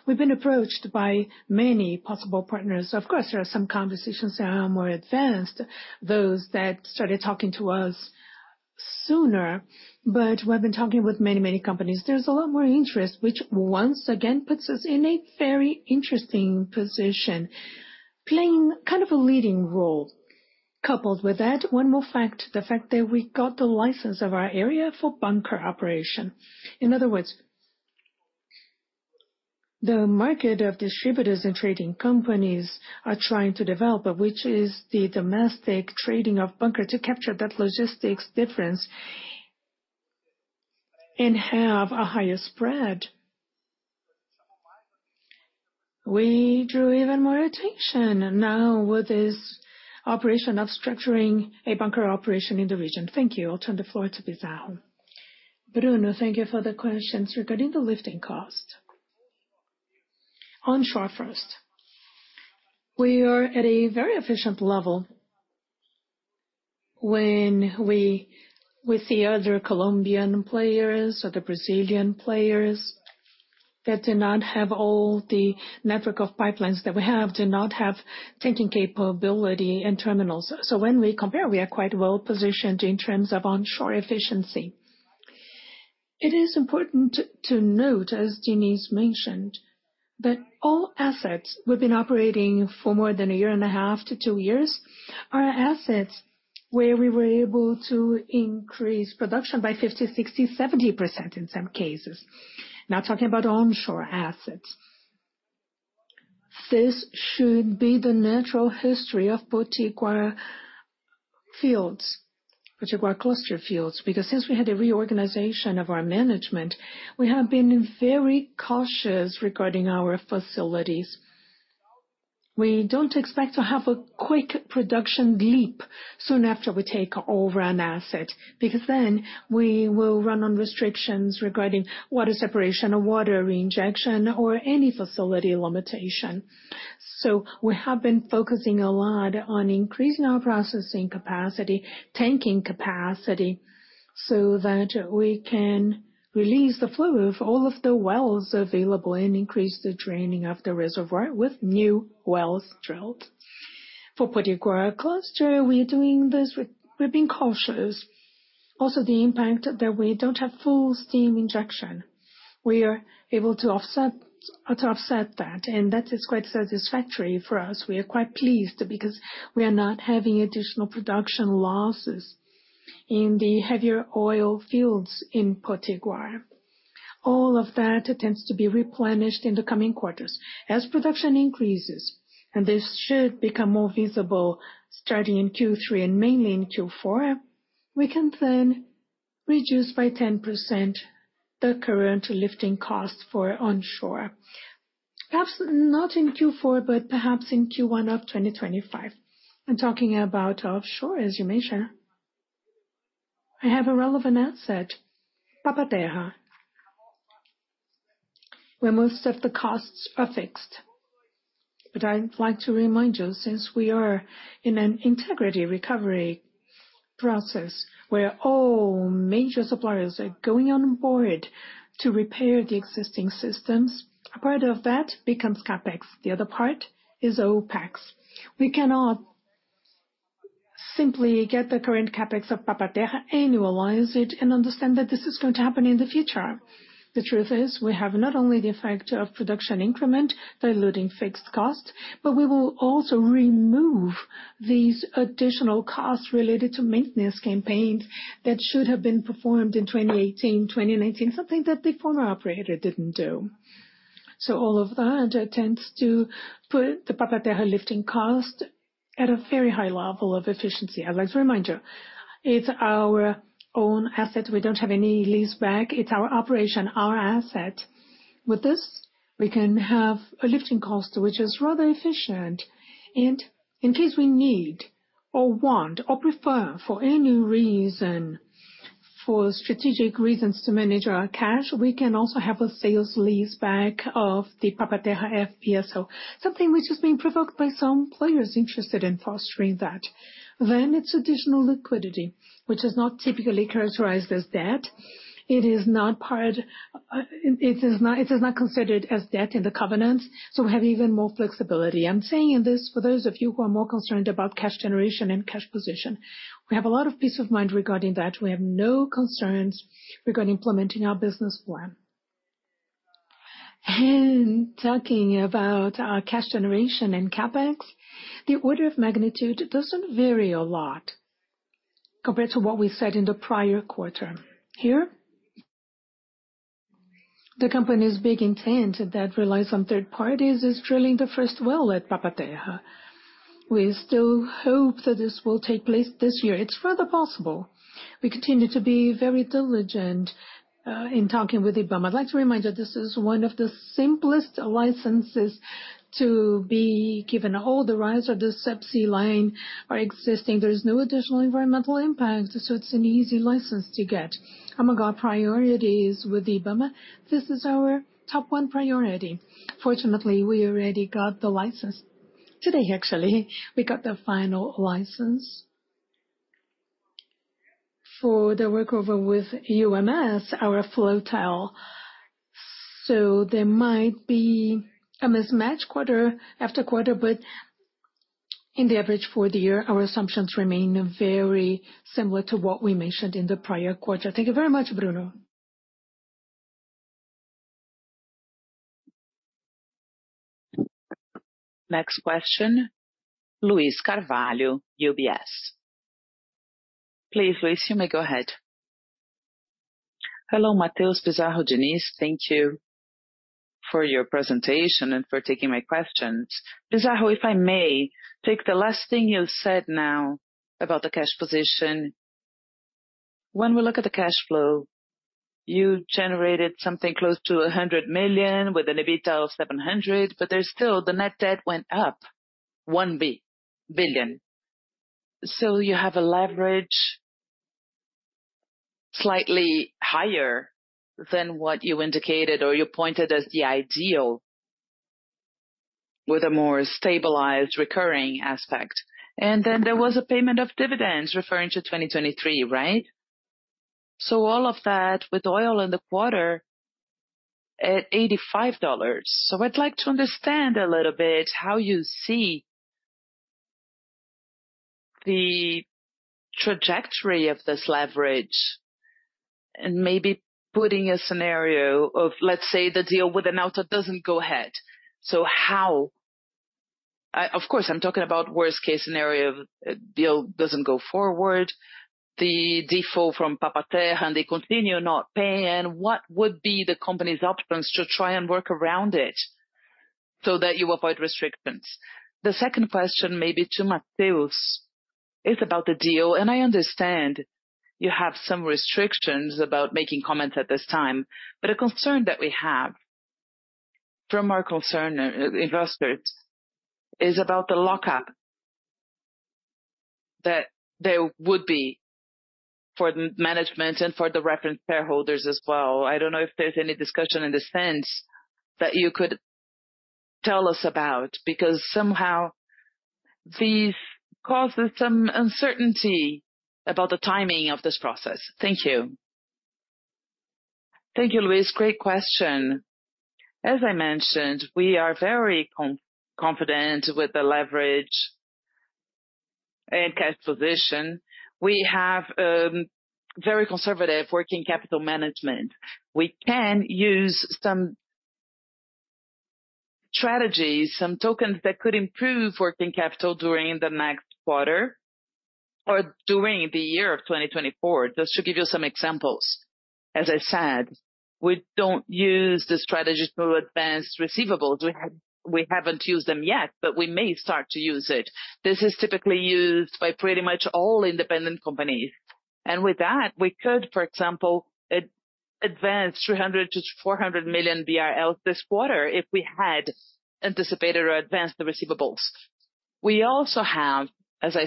We've been approached by many possible partners. Of course, there are some conversations that are more advanced, those that started talking to us sooner, but we've been talking with many, many companies. There's a lot more interest, which once again puts us in a very interesting position, playing kind of a leading role. Coupled with that, one more fact, the fact that we got the license of our area for bunker operation. In other words, the market of distributors and trading companies are trying to develop, which is the domestic trading of bunker to capture that logistics difference and have a higher spread. We drew even more attention now with this operation of structuring a bunker operation in the region. Thank you. I'll turn the floor to Pizarro. Bruno, thank you for the questions regarding the lifting cost. Onshore first. We are at a very efficient level when we see other Colombian players or the Brazilian players that do not have all the network of pipelines that we have, do not have tanking capability and terminals. So when we compare, we are quite well positioned in terms of onshore efficiency. It is important to note, as Denise mentioned, that all assets we've been operating for more than 1.5-2 years are assets where we were able to increase production by 50%, 60%, 70% in some cases. Now, talking about onshore assets, this should be the natural history of Potiguar fields, Potiguar cluster fields, because since we had a reorganization of our management, we have been very cautious regarding our facilities. We don't expect to have a quick production leap soon after we take over an asset because then we will run on restrictions regarding water separation or water reinjection or any facility limitation. So we have been focusing a lot on increasing our processing capacity, tanking capacity so that we can release the flow of all of the wells available and increase the draining of the reservoir with new wells drilled. For Potiguar cluster, we're doing this. We've been cautious. Also, the impact that we don't have full steam injection. We are able to offset that, and that is quite satisfactory for us. We are quite pleased because we are not having additional production losses in the heavier oil fields in Potiguar. All of that tends to be replenished in the coming quarters. As production increases, and this should become more visible starting in Q3 and mainly in Q4, we can then reduce by 10% the current lifting cost for onshore. Perhaps not in Q4, but perhaps in Q1 of 2025. I'm talking about offshore, as you mentioned. I have a relevant asset, Papa-Terra, where most of the costs are fixed. But I'd like to remind you, since we are in an integrity recovery process where all major suppliers are going on board to repair the existing systems, a part of that becomes CapEx. The other part is OpEx. We cannot simply get the current CapEx of Papa-Terra, annualize it, and understand that this is going to happen in the future. The truth is, we have not only the effect of production increment diluting fixed costs, but we will also remove these additional costs related to maintenance campaigns that should have been performed in 2018, 2019, something that the former operator didn't do. So all of that tends to put the Papa-Terra lifting cost at a very high level of efficiency. I'd like to remind you, it's our own asset. We don't have any lease back. It's our operation, our asset. With this, we can have a lifting cost which is rather efficient. In case we need or want or prefer for any new reason, for strategic reasons to manage our cash, we can also have a sales lease back of the Papa-Terra FPSO, something which has been provoked by some players interested in fostering that. Then it's additional liquidity, which is not typically characterized as debt. It is not considered as debt in the covenants, so we have even more flexibility. I'm saying this for those of you who are more concerned about cash generation and cash position. We have a lot of peace of mind regarding that. We have no concerns regarding implementing our business plan. Talking about our cash generation and CapEx, the order of magnitude doesn't vary a lot compared to what we said in the prior quarter. Here, the company's big intent that relies on third parties is drilling the first well at Papa-Terra. We still hope that this will take place this year. It's rather possible. We continue to be very diligent in talking with IBAMA. I'd like to remind you, this is one of the simplest licenses to be given, all the rights of the subsea line are existing. There's no additional environmental impact, so it's an easy license to get. Our main priority with IBAMA, this is our top one priority. Fortunately, we already got the license. Today, actually, we got the final license for the workover with ANP, our flowline. So there might be a mismatch quarter after quarter, but in the average for the year, our assumptions remain very similar to what we mentioned in the prior quarter. Thank you very much, Bruno. Next question, Luis Carvalho, UBS. Please, Luis, you may go ahead. Hello, Matheus, Pizarro, Denise. Thank you for your presentation and for taking my questions. Pizarro, if I may, take the last thing you said now about the cash position. When we look at the cash flow, you generated something close to $100 million with an EBITDA of $700 million, but there's still the net debt went up $1 billion. So you have a leverage slightly higher than what you indicated or you pointed as the ideal with a more stabilized recurring aspect. And then there was a payment of dividends referring to 2023, right? So all of that with oil in the quarter at $85. So I'd like to understand a little bit how you see the trajectory of this leverage and maybe putting a scenario of, let's say, the deal with Enauta doesn't go ahead. So how? Of course, I'm talking about worst-case scenario, deal doesn't go forward, the default from Papa-Terra, and they continue not paying. What would be the company's options to try and work around it so that you avoid restrictions? The second question, maybe to Matheus, is about the deal. And I understand you have some restrictions about making comments at this time, but a concern that we have from our concern investors is about the lockup that there would be for the management and for the reference shareholders as well. I don't know if there's any discussion in the sense that you could tell us about because somehow these causes some uncertainty about the timing of this process. Thank you. Thank you, Luis. Great question. As I mentioned, we are very confident with the leverage and cash position. We have very conservative working capital management. We can use some strategies, some tokens that could improve working capital during the next quarter or during the year of 2024. Just to give you some examples, as I said, we don't use the strategy to advance receivables. We haven't used them yet, but we may start to use it. This is typically used by pretty much all independent companies. With that, we could, for example, advance 300 million-400 million BRL this quarter if we had anticipated or advanced the receivables. We also have, as I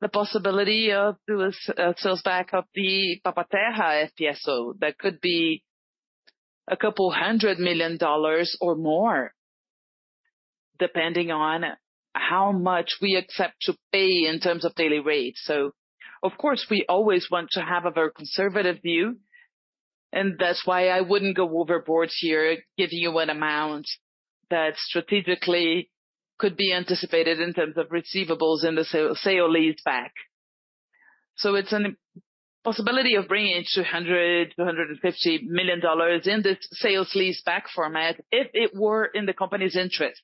said, the possibility of doing a sale-leaseback of the Papa-Terra FPSO that could be $200 million or more depending on how much we accept to pay in terms of daily rate. So, of course, we always want to have a very conservative view, and that's why I wouldn't go overboard here giving you an amount that strategically could be anticipated in terms of receivables in the sale lease back. So it's a possibility of bringing in $200 million-$250 million in this sales lease back format if it were in the company's interest.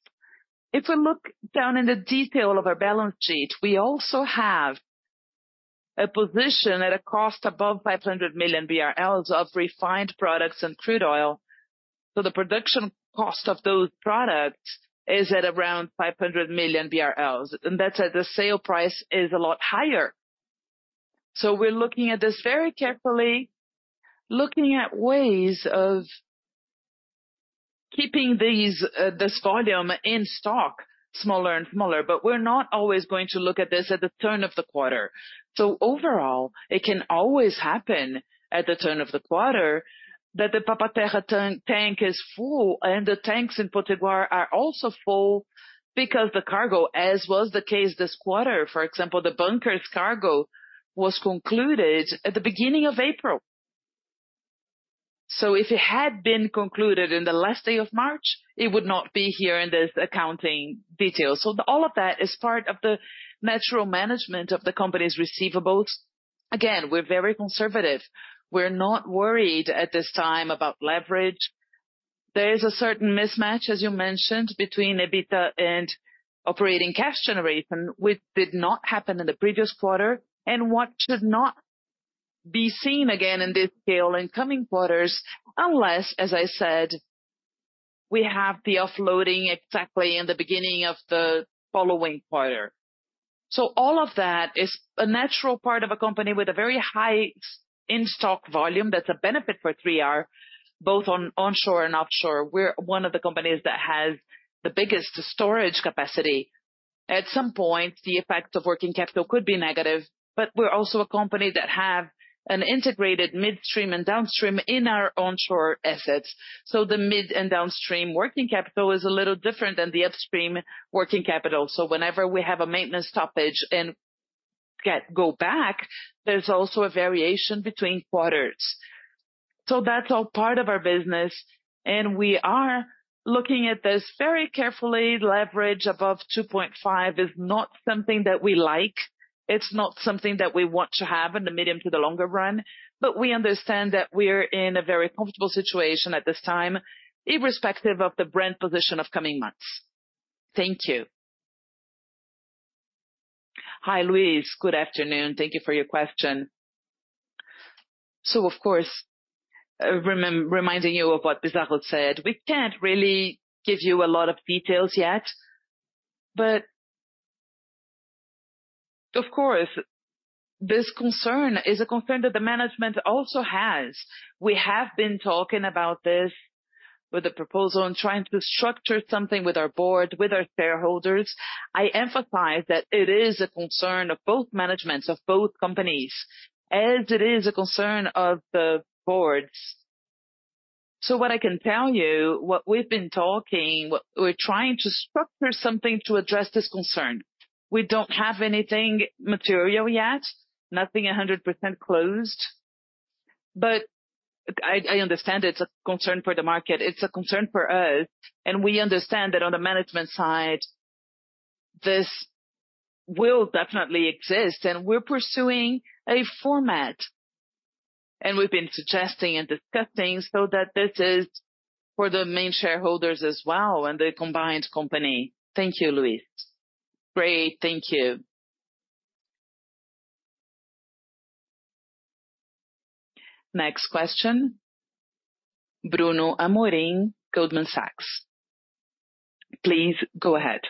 If we look down in the detail of our balance sheet, we also have a position at a cost above 500 million BRL of refined products and crude oil. So the production cost of those products is at around 500 million BRL, and that's at the sale price is a lot higher. So we're looking at this very carefully, looking at ways of keeping this volume in stock smaller and smaller, but we're not always going to look at this at the turn of the quarter. So overall, it can always happen at the turn of the quarter that the Papa-Terra tank is full, and the tanks in Potiguar are also full because the cargo, as was the case this quarter, for example, the bunker's cargo was concluded at the beginning of April. So if it had been concluded in the last day of March, it would not be here in this accounting detail. So all of that is part of the natural management of the company's receivables. Again, we're very conservative. We're not worried at this time about leverage. There is a certain mismatch, as you mentioned, between EBITDA and operating cash generation, which did not happen in the previous quarter and what should not be seen again in this scale in coming quarters unless, as I said, we have the offloading exactly in the beginning of the following quarter. So all of that is a natural part of a company with a very high in-stock volume that's a benefit for 3R, both onshore and offshore. We're one of the companies that has the biggest storage capacity. At some point, the effect of working capital could be negative, but we're also a company that have an integrated midstream and downstream in our onshore assets. So the mid and downstream working capital is a little different than the upstream working capital. So whenever we have a maintenance stoppage and go back, there's also a variation between quarters. So that's all part of our business, and we are looking at this very carefully. Leverage above 2.5 is not something that we like. It's not something that we want to have in the medium to the longer run, but we understand that we're in a very comfortable situation at this time, irrespective of the Brent position of coming months. Thank you. Hi, Luis. Good afternoon. Thank you for your question. So, of course, reminding you of what Pizarro said, we can't really give you a lot of details yet, but, of course, this concern is a concern that the management also has. We have been talking about this with the proposal and trying to structure something with our board, with our shareholders. I emphasize that it is a concern of both managements, of both companies, as it is a concern of the boards. So what I can tell you, what we've been talking, we're trying to structure something to address this concern. We don't have anything material yet, nothing 100% closed, but I understand it's a concern for the market. It's a concern for us, and we understand that on the management side, this will definitely exist, and we're pursuing a format, and we've been suggesting and discussing so that this is for the main shareholders as well and the combined company. Thank you, Luis. Great. Thank you. Next question, Bruno Amorim, Goldman Sachs. Please go ahead.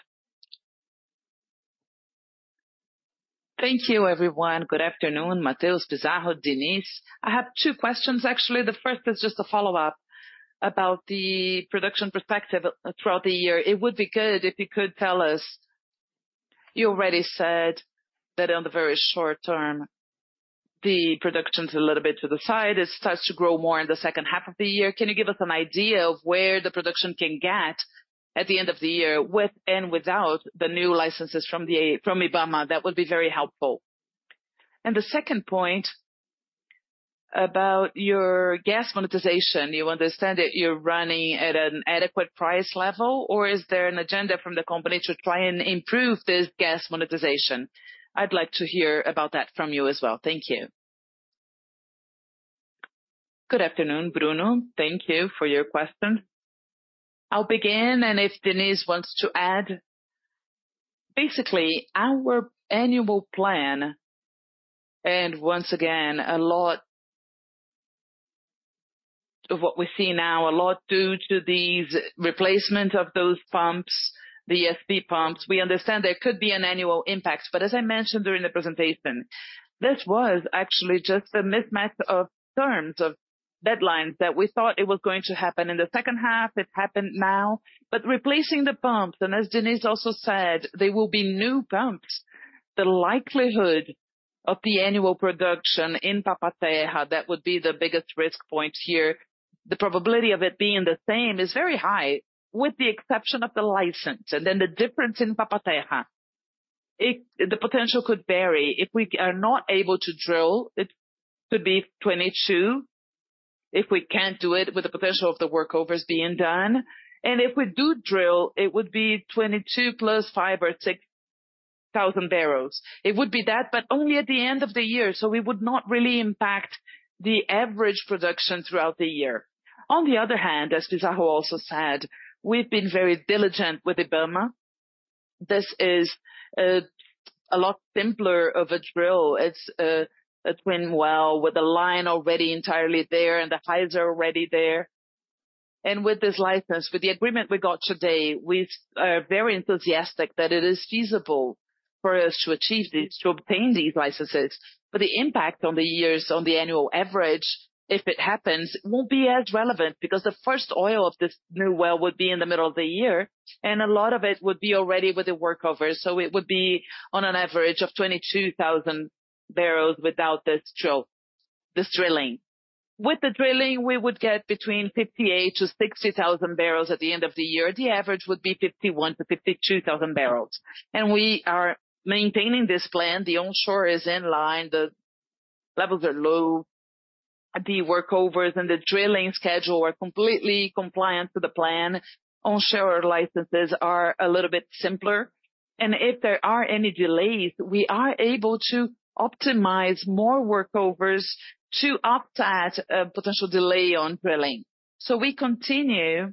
Thank you, everyone. Good afternoon, Matheus, Pizarro, Denise. I have two questions, actually. The first is just a follow-up about the production perspective throughout the year. It would be good if you could tell us. You already said that on the very short term, the production's a little bit to the side. It starts to grow more in the second half of the year. Can you give us an idea of where the production can get at the end of the year with and without the new licenses from IBAMA? That would be very helpful. And the second point about your gas monetization, you understand that you're running at an adequate price level, or is there an agenda from the company to try and improve this gas monetization? I'd like to hear about that from you as well. Thank you. Good afternoon, Bruno. Thank you for your question. I'll begin, and if Denise wants to add. Basically, our annual plan, and once again, a lot of what we see now, a lot due to these replacements of those pumps, the ESP pumps, we understand there could be an annual impact. But as I mentioned during the presentation, this was actually just a mismatch of terms, of deadlines that we thought it was going to happen in the second half. It happened now. But replacing the pumps, and as Denise also said, there will be new pumps, the likelihood of the annual production in Papa-Terra, that would be the biggest risk point here, the probability of it being the same is very high, with the exception of the license. And then the difference in Papa-Terra, the potential could vary. If we are not able to drill, it could be 22 if we can't do it with the potential of the workovers being done. And if we do drill, it would be 22 + 5,000 or 6,000 barrels. It would be that, but only at the end of the year. So we would not really impact the average production throughout the year. On the other hand, as Pizarro also said, we've been very diligent with EBITDA. This is a lot simpler of a drill. It's a twin well with the line already entirely there and the heights are already there. And with this license, with the agreement we got today, we are very enthusiastic that it is feasible for us to achieve these, to obtain these licenses. But the impact on the years, on the annual average, if it happens, won't be as relevant because the first oil of this new well would be in the middle of the year, and a lot of it would be already with the workovers. So it would be on an average of 22,000 barrels without this drill, this drilling. With the drilling, we would get between 58,000-60,000 barrels at the end of the year. The average would be 51,000-52,000 barrels. We are maintaining this plan. The onshore is in line. The levels are low. The workovers and the drilling schedule are completely compliant to the plan. Onshore licenses are a little bit simpler. And if there are any delays, we are able to optimize more workovers to offset a potential delay on drilling. So we continue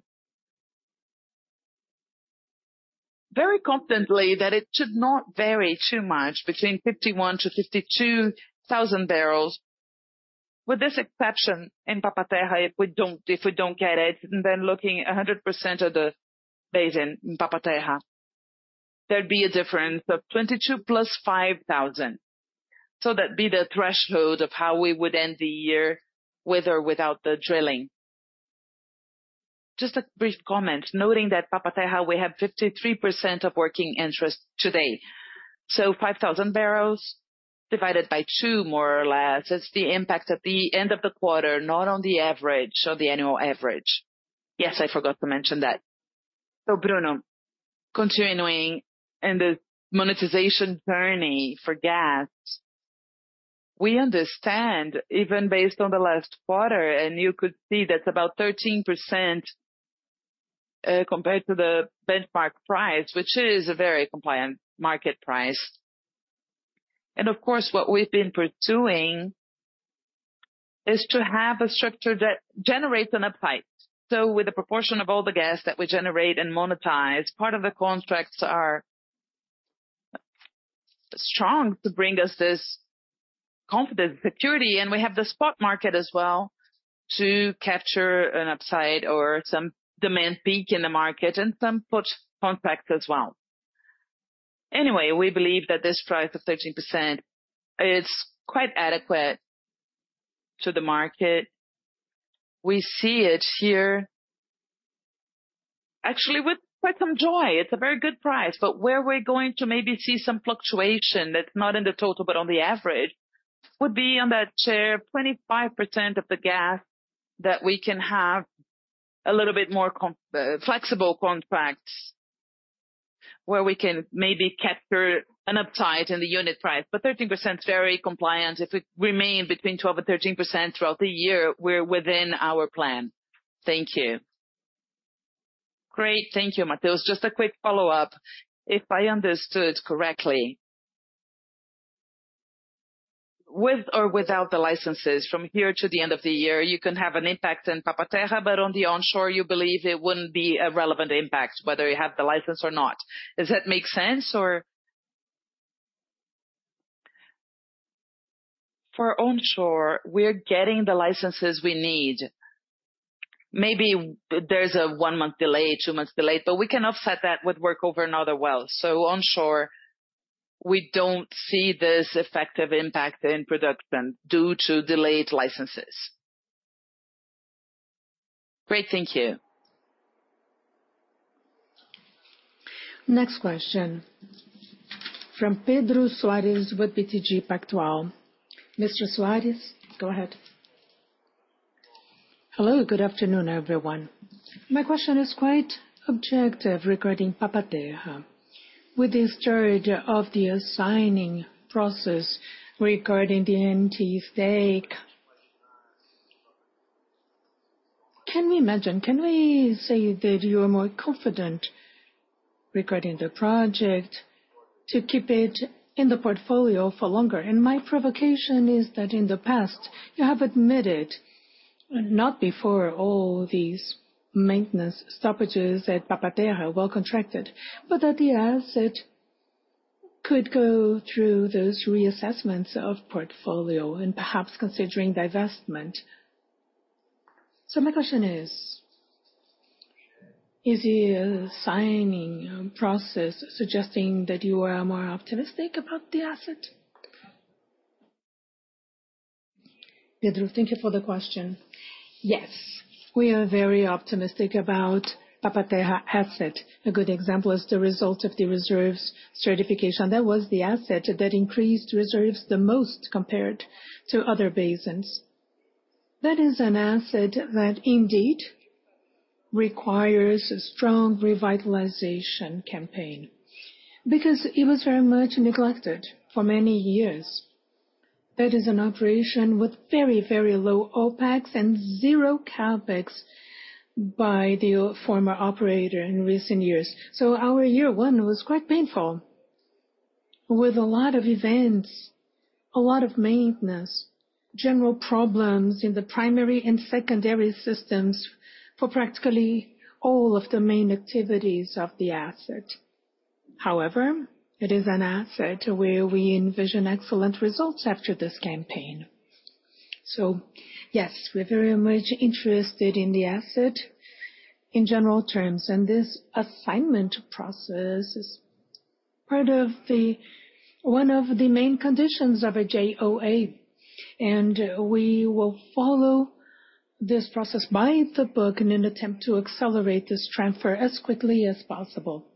very confidently that it should not vary too much between 51,000-52,000 barrels. With this exception in Papa-Terra, if we don't get it, and then looking 100% at the basin in Papa-Terra, there'd be a difference of 22,000 + 5,000. So that'd be the threshold of how we would end the year with or without the drilling. Just a brief comment, noting that Papa-Terra, we have 53% of working interest today. So 5,000 barrels divided by 2, more or less, it's the impact at the end of the quarter, not on the average or the annual average. Yes, I forgot to mention that. So, Bruno, continuing in the monetization journey for gas, we understand, even based on the last quarter, and you could see that's about 13% compared to the benchmark price, which is a very compliant market price. And, of course, what we've been pursuing is to have a structure that generates an upside. So with the proportion of all the gas that we generate and monetize, part of the contracts are strong to bring us this confidence, security, and we have the spot market as well to capture an upside or some demand peak in the market and some put contracts as well. Anyway, we believe that this price of 13% is quite adequate to the market. We see it here, actually, with quite some joy. It's a very good price, but where we're going to maybe see some fluctuation that's not in the total but on the average would be on that share, 25% of the gas that we can have a little bit more flexible contracts where we can maybe capture an upside in the unit price. But 13% is very compliant. If we remain between 12%-13% throughout the year, we're within our plan. Thank you. Great. Thank you, Matheus. Just a quick follow-up. If I understood correctly, with or without the licenses, from here to the end of the year, you can have an impact in Papa-Terra, but on the onshore, you believe it wouldn't be a relevant impact, whether you have the license or not. Does that make sense, or? For onshore, we're getting the licenses we need. Maybe there's a 1-month delay, 2-month delay, but we can offset that with work over another well. So onshore, we don't see this effective impact in production due to delayed licenses. Great. Thank you. Next question from Pedro Soares with BTG Pactual. Mr. Soares, go ahead. Hello. Good afternoon, everyone. My question is quite objective regarding Papa-Terra. With the start of the signing process regarding the entity's stake, can we imagine, can we say that you are more confident regarding the project to keep it in the portfolio for longer? And my provocation is that in the past, you have admitted, not before all these maintenance stoppages at Papa-Terra, well contracted, but that the asset could go through those reassessments of portfolio and perhaps considering divestment. So my question is, is the signing process suggesting that you are more optimistic about the asset? Pedro, thank you for the question. Yes, we are very optimistic about Papa-Terra asset. A good example is the result of the reserves certification. That was the asset that increased reserves the most compared to other basins. That is an asset that indeed requires a strong revitalization campaign because it was very much neglected for many years. That is an operation with very, very low OpEx and zero CapEx by the former operator in recent years. So our year one was quite painful with a lot of events, a lot of maintenance, general problems in the primary and secondary systems for practically all of the main activities of the asset. However, it is an asset where we envision excellent results after this campaign. So yes, we're very much interested in the asset in general terms, and this assignment process is part of one of the main conditions of a JOA, and we will follow this process by the book in an attempt to accelerate this transfer as quickly as possible.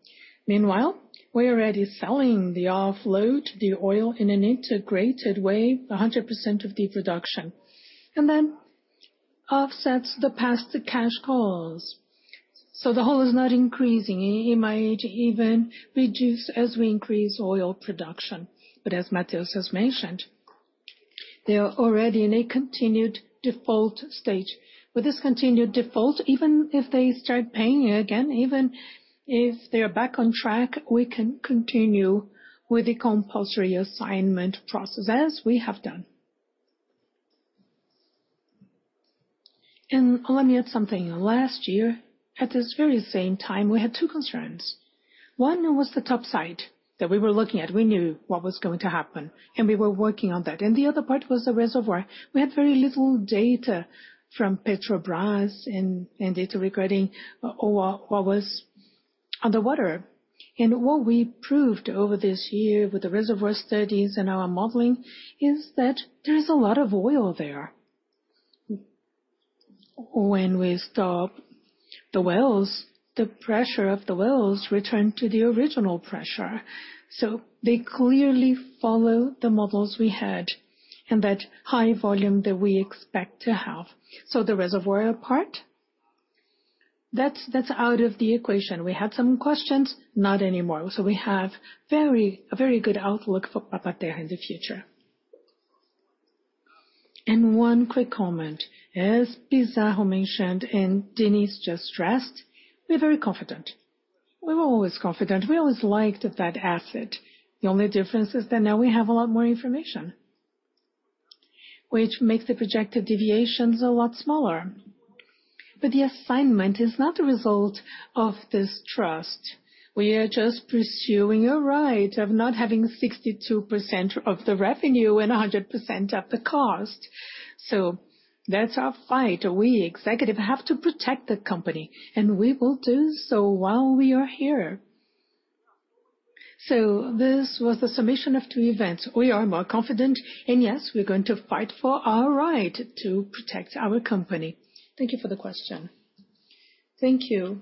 Meanwhile, we're already selling the offload, the oil in an integrated way, 100% of the production, and then offsets the past cash calls. So the hole is not increasing. It might even reduce as we increase oil production. But as Matheus has mentioned, they're already in a continued default stage. With this continued default, even if they start paying again, even if they're back on track, we can continue with the compulsory assignment process as we have done. And let me add something. Last year, at this very same time, we had two concerns. One was the topside that we were looking at. We knew what was going to happen, and we were working on that. And the other part was the reservoir. We had very little data from Petrobras and data regarding what was underwater. And what we proved over this year with the reservoir studies and our modeling is that there is a lot of oil there. When we stop the wells, the pressure of the wells returned to the original pressure. So they clearly follow the models we had and that high volume that we expect to have. So the reservoir part, that's out of the equation. We had some questions, not anymore. So we have a very good outlook for Papa-Terra in the future. And one quick comment. As Pizarro mentioned and Denise just stressed, we're very confident. We were always confident. We always liked that asset. The only difference is that now we have a lot more information, which makes the projected deviations a lot smaller. But the assignment is not the result of this trust. We are just pursuing a right of not having 62% of the revenue and 100% of the cost. So that's our fight. We, executives, have to protect the company, and we will do so while we are here. So this was the summation of two events. We are more confident, and yes, we're going to fight for our right to protect our company. Thank you for the question. Thank you.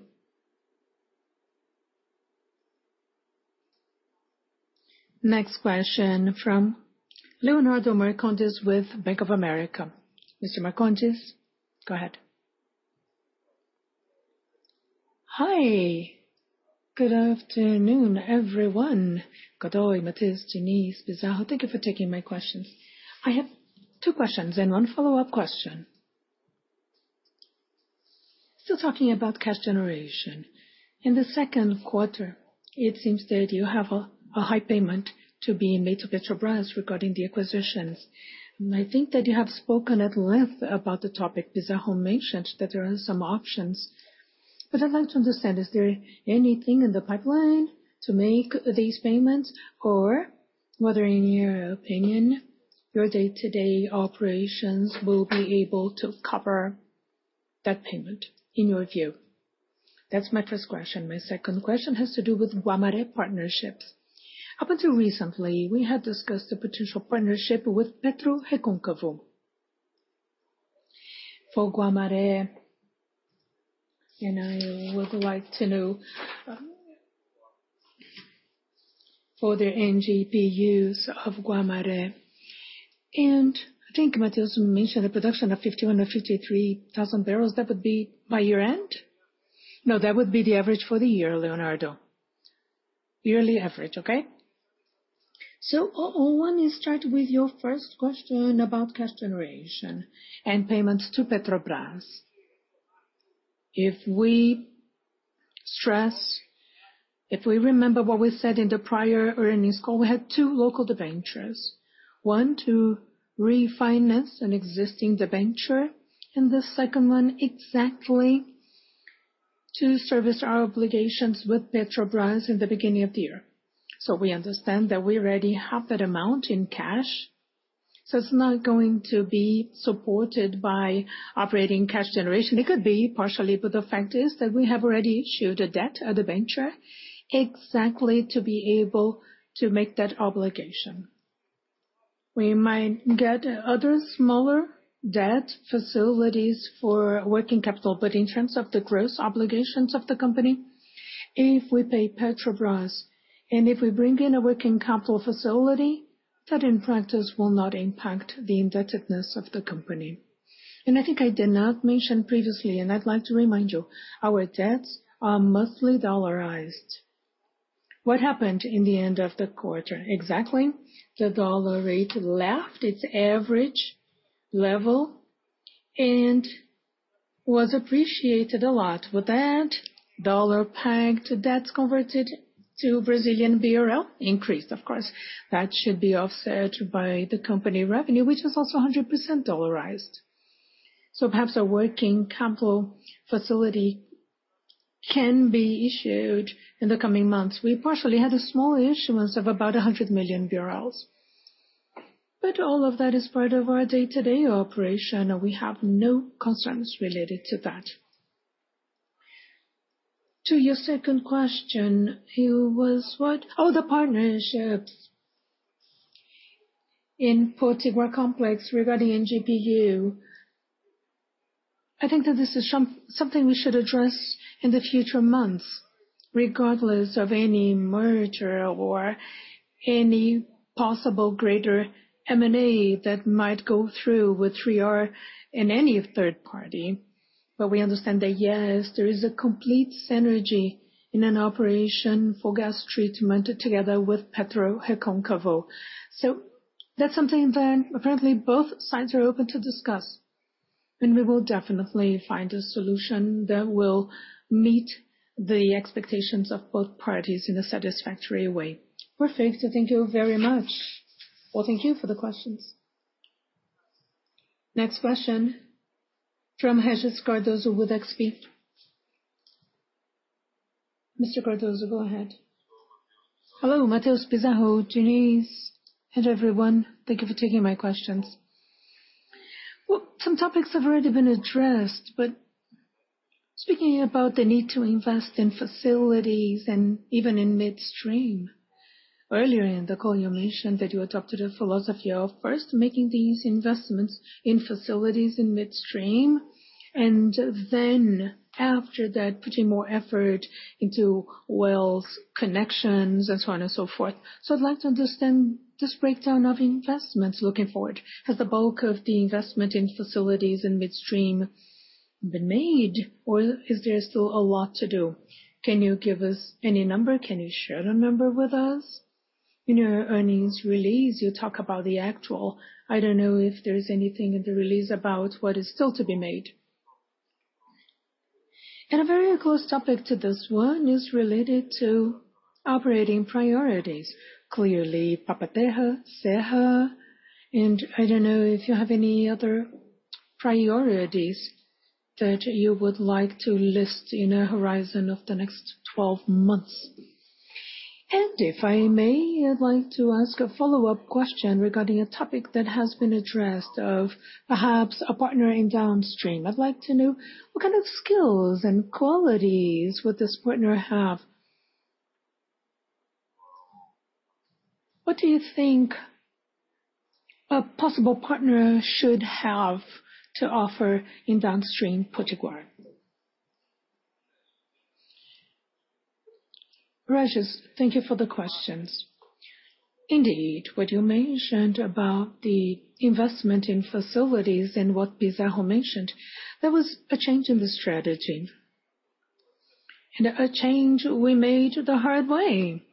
Next question from Leonardo Marcondes with Bank of America. Mr. Marcontes, go ahead. Hi. Good afternoon, everyone. Good day, Matheus, Diniz, Pizarro. Thank you for taking my questions. I have two questions and one follow-up question. Still talking about cash generation. In the second quarter, it seems that you have a high payment to be made to Petrobras regarding the acquisitions. I think that you have spoken at length about the topic. Pizarro mentioned that there are some options. I'd like to understand, is there anything in the pipeline to make these payments, or whether, in your opinion, your day-to-day operations will be able to cover that payment, in your view? That's my first question. My second question has to do with Guamaré partnerships. Up until recently, we had discussed a potential partnership with PetroReconcavo for Guamaré, and I would like to know for the NGPUs of Guamaré. And I think Matheus mentioned a production of 51,000-53,000 barrels. That would be by year-end? No, that would be the average for the year, Leonardo. Yearly average, okay? I want to start with your first question about cash generation and payments to Petrobras. If we remember what we said in the prior earnings call, we had two local debentures, one to refinance an existing debenture, and the second one exactly to service our obligations with Petrobras in the beginning of the year. We understand that we already have that amount in cash. It's not going to be supported by operating cash generation. It could be partially, but the fact is that we have already issued a debenture exactly to be able to make that obligation. We might get other smaller debt facilities for working capital, but in terms of the gross obligations of the company, if we pay Petrobras and if we bring in a working capital facility, that in practice will not impact the indebtedness of the company. I think I did not mention previously, and I'd like to remind you, our debts are mostly dollarized. What happened in the end of the quarter? Exactly, the dollar rate left its average level and was appreciated a lot. With that, dollar-pegged debts converted to Brazilian real, increased, of course. That should be offset by the company revenue, which is also 100% dollarized. So perhaps a working capital facility can be issued in the coming months. We partially had a small issuance of about 100 million BRL. But all of that is part of our day-to-day operation, and we have no concerns related to that. To your second question, it was what? Oh, the partnerships in Potiguar Complex regarding NGPU. I think that this is something we should address in the future months, regardless of any merger or any possible greater M&A that might go through with 3R and any third party. But we understand that, yes, there is a complete synergy in an operation for gas treatment together with Petro Reconcavo. So that's something that, apparently, both sides are open to discuss. And we will definitely find a solution that will meet the expectations of both parties in a satisfactory way. Perfect. Thank you very much. Well, thank you for the questions. Next question from Regis Cardoso with XP. Mr. Cardoso, go ahead. Hello, Matheus, Pizarro, Denise, and everyone. Thank you for taking my questions. Well, some topics have already been addressed, but speaking about the need to invest in facilities and even in midstream. Earlier in the call, you mentioned that you adopted a philosophy of first making these investments in facilities in midstream, and then after that, putting more effort into wells, connections, and so on and so forth. So I'd like to understand this breakdown of investments looking forward. Has the bulk of the investment in facilities in midstream been made, or is there still a lot to do? Can you give us any number? Can you share a number with us? In your earnings release, you talk about the actual. I don't know if there's anything in the release about what is still to be made. And a very close topic to this one is related to operating priorities. Clearly, Papa-Terra, Ceará, and I don't know if you have any other priorities that you would like to list in a horizon of the next 12 months. If I may, I'd like to ask a follow-up question regarding a topic that has been addressed of perhaps a partner in downstream. I'd like to know what kind of skills and qualities would this partner have? What do you think a possible partner should have to offer in downstream Potiguar? Rajas, thank you for the questions. Indeed, what you mentioned about the investment in facilities and what Pizarro mentioned, there was a change in the strategy. A change we made the hard way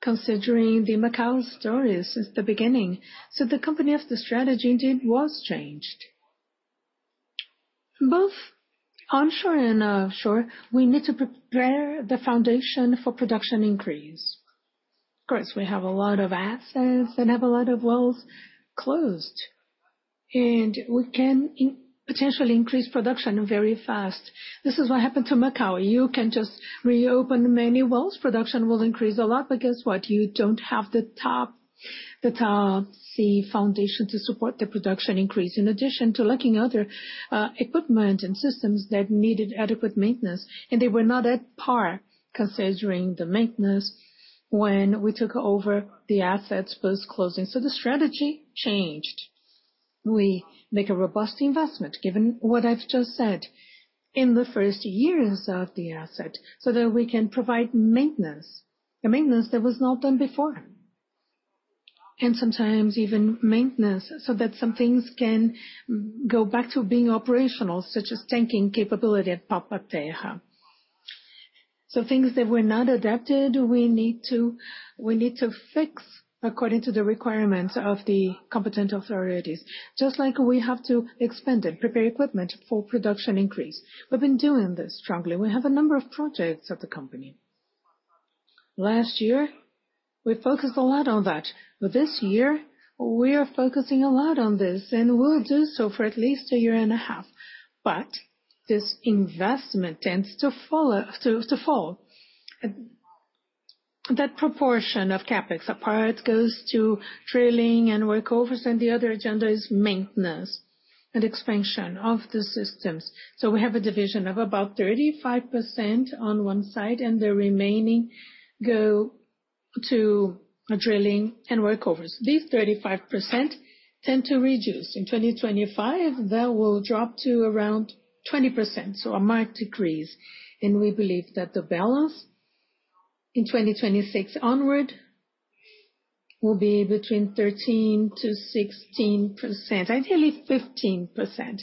considering the Macau story since the beginning. So the company's strategy indeed was changed. Both onshore and offshore, we need to prepare the foundation for production increase. Of course, we have a lot of assets and have a lot of wells closed, and we can potentially increase production very fast. This is what happened to Macau. You can just reopen many wells. Production will increase a lot because what? You don't have the top sea foundation to support the production increase, in addition to lacking other equipment and systems that needed adequate maintenance. They were not at par considering the maintenance when we took over the assets post-closing. The strategy changed. We make a robust investment, given what I've just said, in the first years of the asset so that we can provide maintenance, a maintenance that was not done before. Sometimes even maintenance so that some things can go back to being operational, such as tanking capability at Papa-Terra. Things that were not adapted, we need to fix according to the requirements of the competent authorities, just like we have to expand it, prepare equipment for production increase. We've been doing this strongly. We have a number of projects at the company. Last year, we focused a lot on that. This year, we are focusing a lot on this, and we'll do so for at least a year and a half. But this investment tends to fall. That proportion of CapEx, a part goes to drilling and workovers, and the other agenda is maintenance and expansion of the systems. So we have a division of about 35% on one side, and the remaining go to drilling and workovers. These 35% tend to reduce. In 2025, that will drop to around 20%, so a marked decrease. And we believe that the balance in 2026 onward will be between 13%-16%, ideally 15%.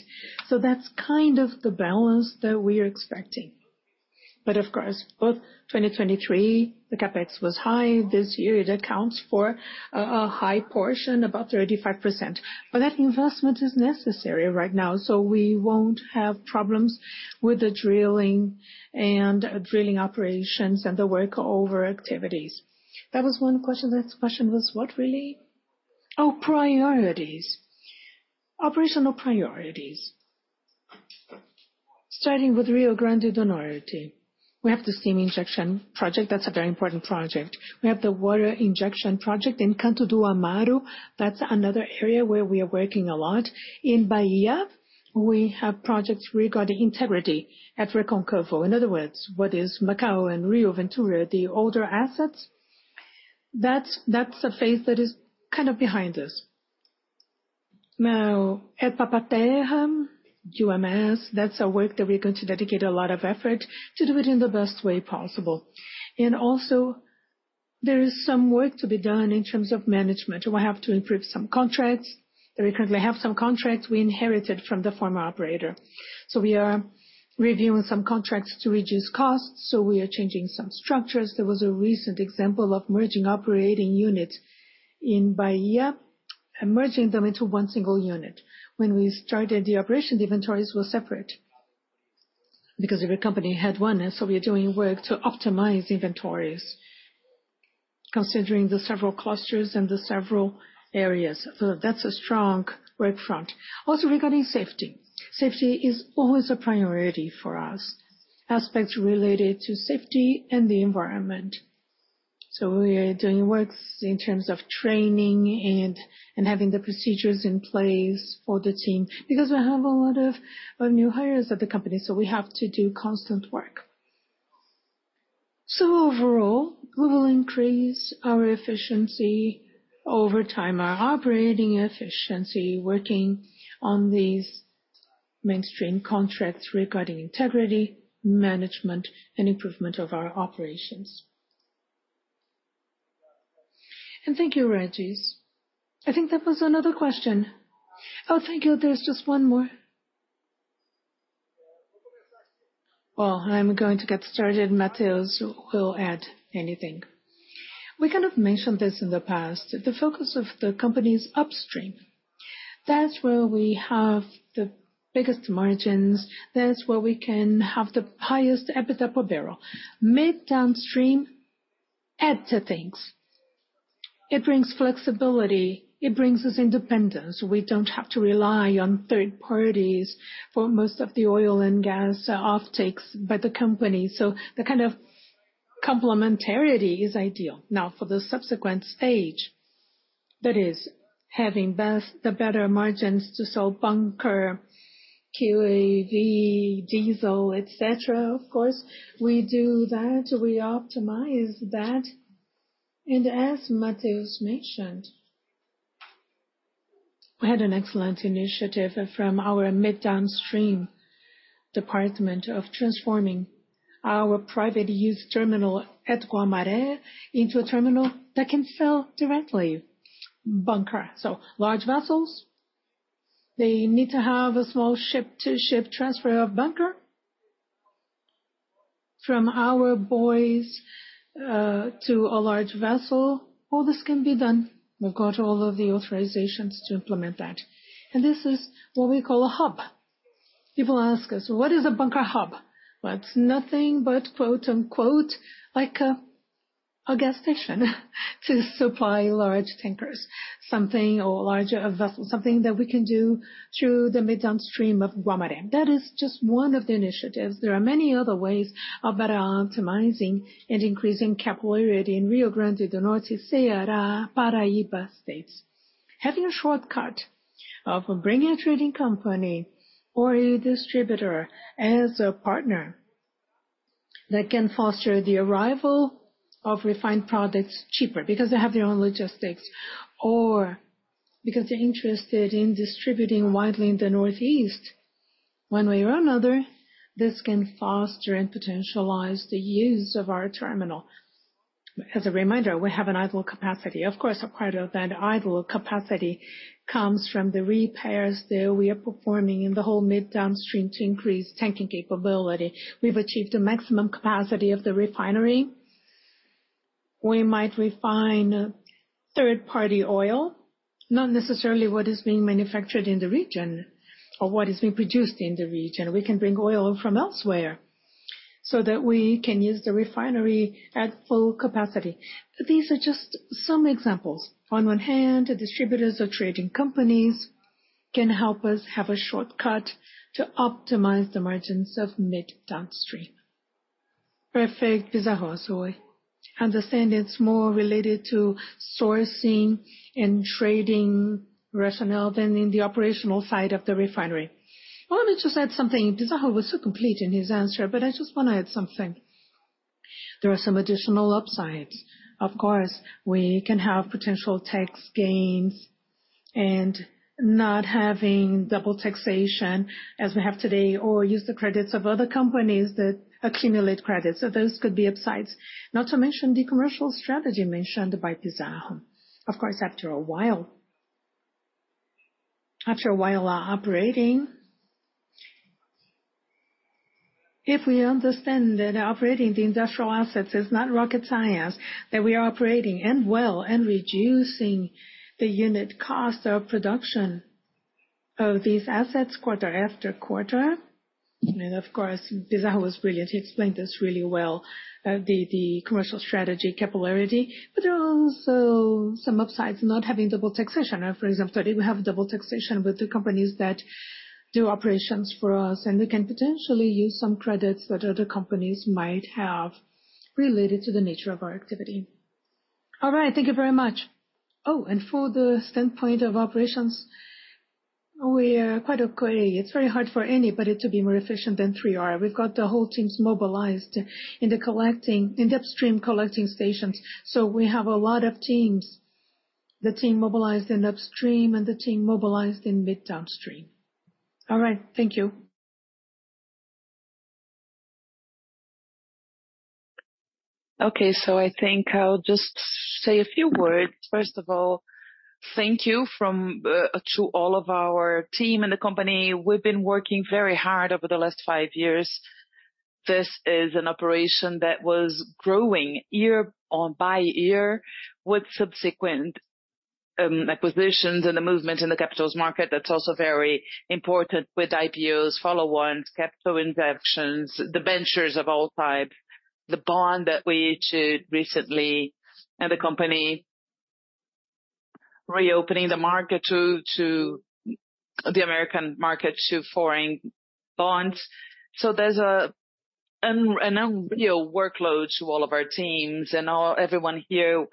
So that's kind of the balance that we are expecting. But of course, both 2023, the CapEx was high. This year, it accounts for a high portion, about 35%. But that investment is necessary right now, so we won't have problems with the drilling and drilling operations and the workover activities. That was one question. The next question was what really? Oh, priorities. Operational priorities. Starting with Rio Grande do Norte, we have the steam injection project. That's a very important project. We have the water injection project in Canto do Amaro. That's another area where we are working a lot. In Bahia, we have projects regarding integrity at Recôncavo. In other words, what is Macau and Rio Ventura, the older assets? That's a phase that is kind of behind us. Now, at Papa-Terra, UMS, that's a work that we're going to dedicate a lot of effort to do it in the best way possible. And also, there is some work to be done in terms of management. We have to improve some contracts. That we currently have some contracts we inherited from the former operator. So we are reviewing some contracts to reduce costs. So we are changing some structures. There was a recent example of merging operating units in Bahia, merging them into one single unit. When we started the operation, the inventories were separate because every company had one. And so we are doing work to optimize inventories considering the several clusters and the several areas. So that's a strong work front. Also, regarding safety, safety is always a priority for us, aspects related to safety and the environment. So we are doing works in terms of training and having the procedures in place for the team because we have a lot of new hires at the company. So we have to do constant work. So overall, we will increase our efficiency over time, our operating efficiency, working on these midstream contracts regarding integrity, management, and improvement of our operations. And thank you, Regis. I think that was another question. Oh, thank you. There's just one more. Well, I'm going to get started. Matheus will add anything. We kind of mentioned this in the past, the focus of the company's upstream. That's where we have the biggest margins. That's where we can have the highest EBITDA per barrel. And downstream adds to things. It brings flexibility. It brings us independence. We don't have to rely on third parties for most of the oil and gas offtakes by the company. So the kind of complementarity is ideal. Now, for the subsequent stage, that is having the better margins to sell bunker, QAV, diesel, etc. Of course, we do that. We optimize that. As Matheus mentioned, we had an excellent initiative from our mid-downstream department of transforming our private use terminal at Guamaré into a terminal that can sell directly bunker. So large vessels, they need to have a small ship-to-ship transfer of bunker from our buoys to a large vessel. All this can be done. We've got all of the authorizations to implement that. And this is what we call a hub. People ask us, what is a bunker hub? Well, it's nothing but, quote-unquote, like a gas station to supply large tankers, something or larger vessels, something that we can do through the mid-downstream of Guamaré. That is just one of the initiatives. There are many other ways of better optimizing and increasing capability in Rio Grande do Norte, Ceará, Paraíba states. Having a shortcut of bringing a trading company or a distributor as a partner that can foster the arrival of refined products cheaper because they have their own logistics or because they're interested in distributing widely in the Northeast one way or another, this can foster and potentialize the use of our terminal. As a reminder, we have an idle capacity. Of course, a part of that idle capacity comes from the repairs that we are performing in the whole mid-downstream to increase tanking capability. We've achieved the maximum capacity of the refinery. We might refine third-party oil, not necessarily what is being manufactured in the region or what is being produced in the region. We can bring oil from elsewhere so that we can use the refinery at full capacity. These are just some examples. On one hand, the distributors or trading companies can help us have a shortcut to optimize the margins of mid-downstream. Perfect, Pizarro. So I understand it's more related to sourcing and trading rationale than in the operational side of the refinery. I wanted to just add something. Pizarro was so complete in his answer, but I just want to add something. There are some additional upsides. Of course, we can have potential tax gains and not having double taxation as we have today or use the credits of other companies that accumulate credits. So those could be upsides. Not to mention the commercial strategy mentioned by Pizarro. Of course, after a while, after a while operating, if we understand that operating the industrial assets is not rocket science, that we are operating and well and reducing the unit cost of production of these assets quarter after quarter. And of course, Pizarro was brilliant. He explained this really well, the commercial strategy, capability. But there are also some upsides not having double taxation. For example, today we have double taxation with the companies that do operations for us, and we can potentially use some credits that other companies might have related to the nature of our activity. All right, thank you very much. Oh, and from the standpoint of operations, we are quite okay. It's very hard for anybody to be more efficient than 3R. We've got the whole teams mobilized in the upstream collecting stations. So we have a lot of teams, the team mobilized in upstream and the team mobilized in midstream and downstream. All right, thank you. Okay, so I think I'll just say a few words. First of all, thank you to all of our team and the company. We've been working very hard over the last five years. This is an operation that was growing year by year with subsequent acquisitions and the movement in the capital market. That's also very important with IPOs, follow-ons, capital injections, the ventures of all types, the bond that we issued recently, and the company reopening the market to the American market to foreign bonds. So there's an unreal workload to all of our teams and everyone here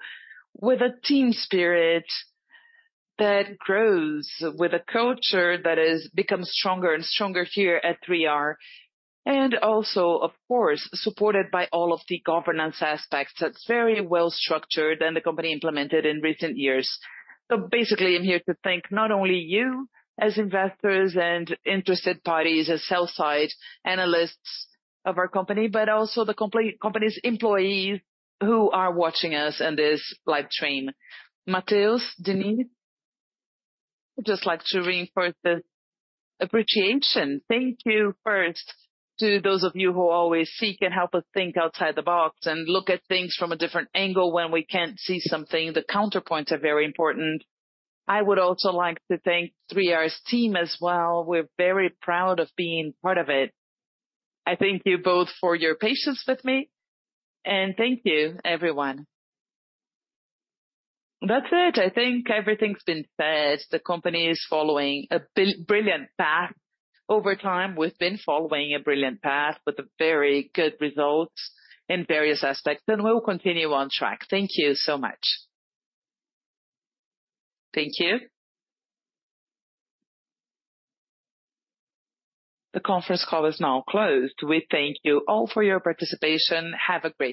with a team spirit that grows with a culture that becomes stronger and stronger here at 3R. Also, of course, supported by all of the governance aspects that's very well structured and the company implemented in recent years. So basically, I'm here to thank not only you as investors and interested parties, as sell-side analysts of our company, but also the company's employees who are watching us in this live stream. Matheus, Denise, I'd just like to reinforce this appreciation. Thank you first to those of you who always seek and help us think outside the box and look at things from a different angle when we can't see something. The counterpoints are very important. I would also like to thank 3R's team as well. We're very proud of being part of it. I thank you both for your patience with me. Thank you, everyone. That's it. I think everything's been said. The company is following a brilliant path over time. We've been following a brilliant path with very good results in various aspects. We'll continue on track. Thank you so much. Thank you. The conference call is now closed. We thank you all for your participation. Have a great.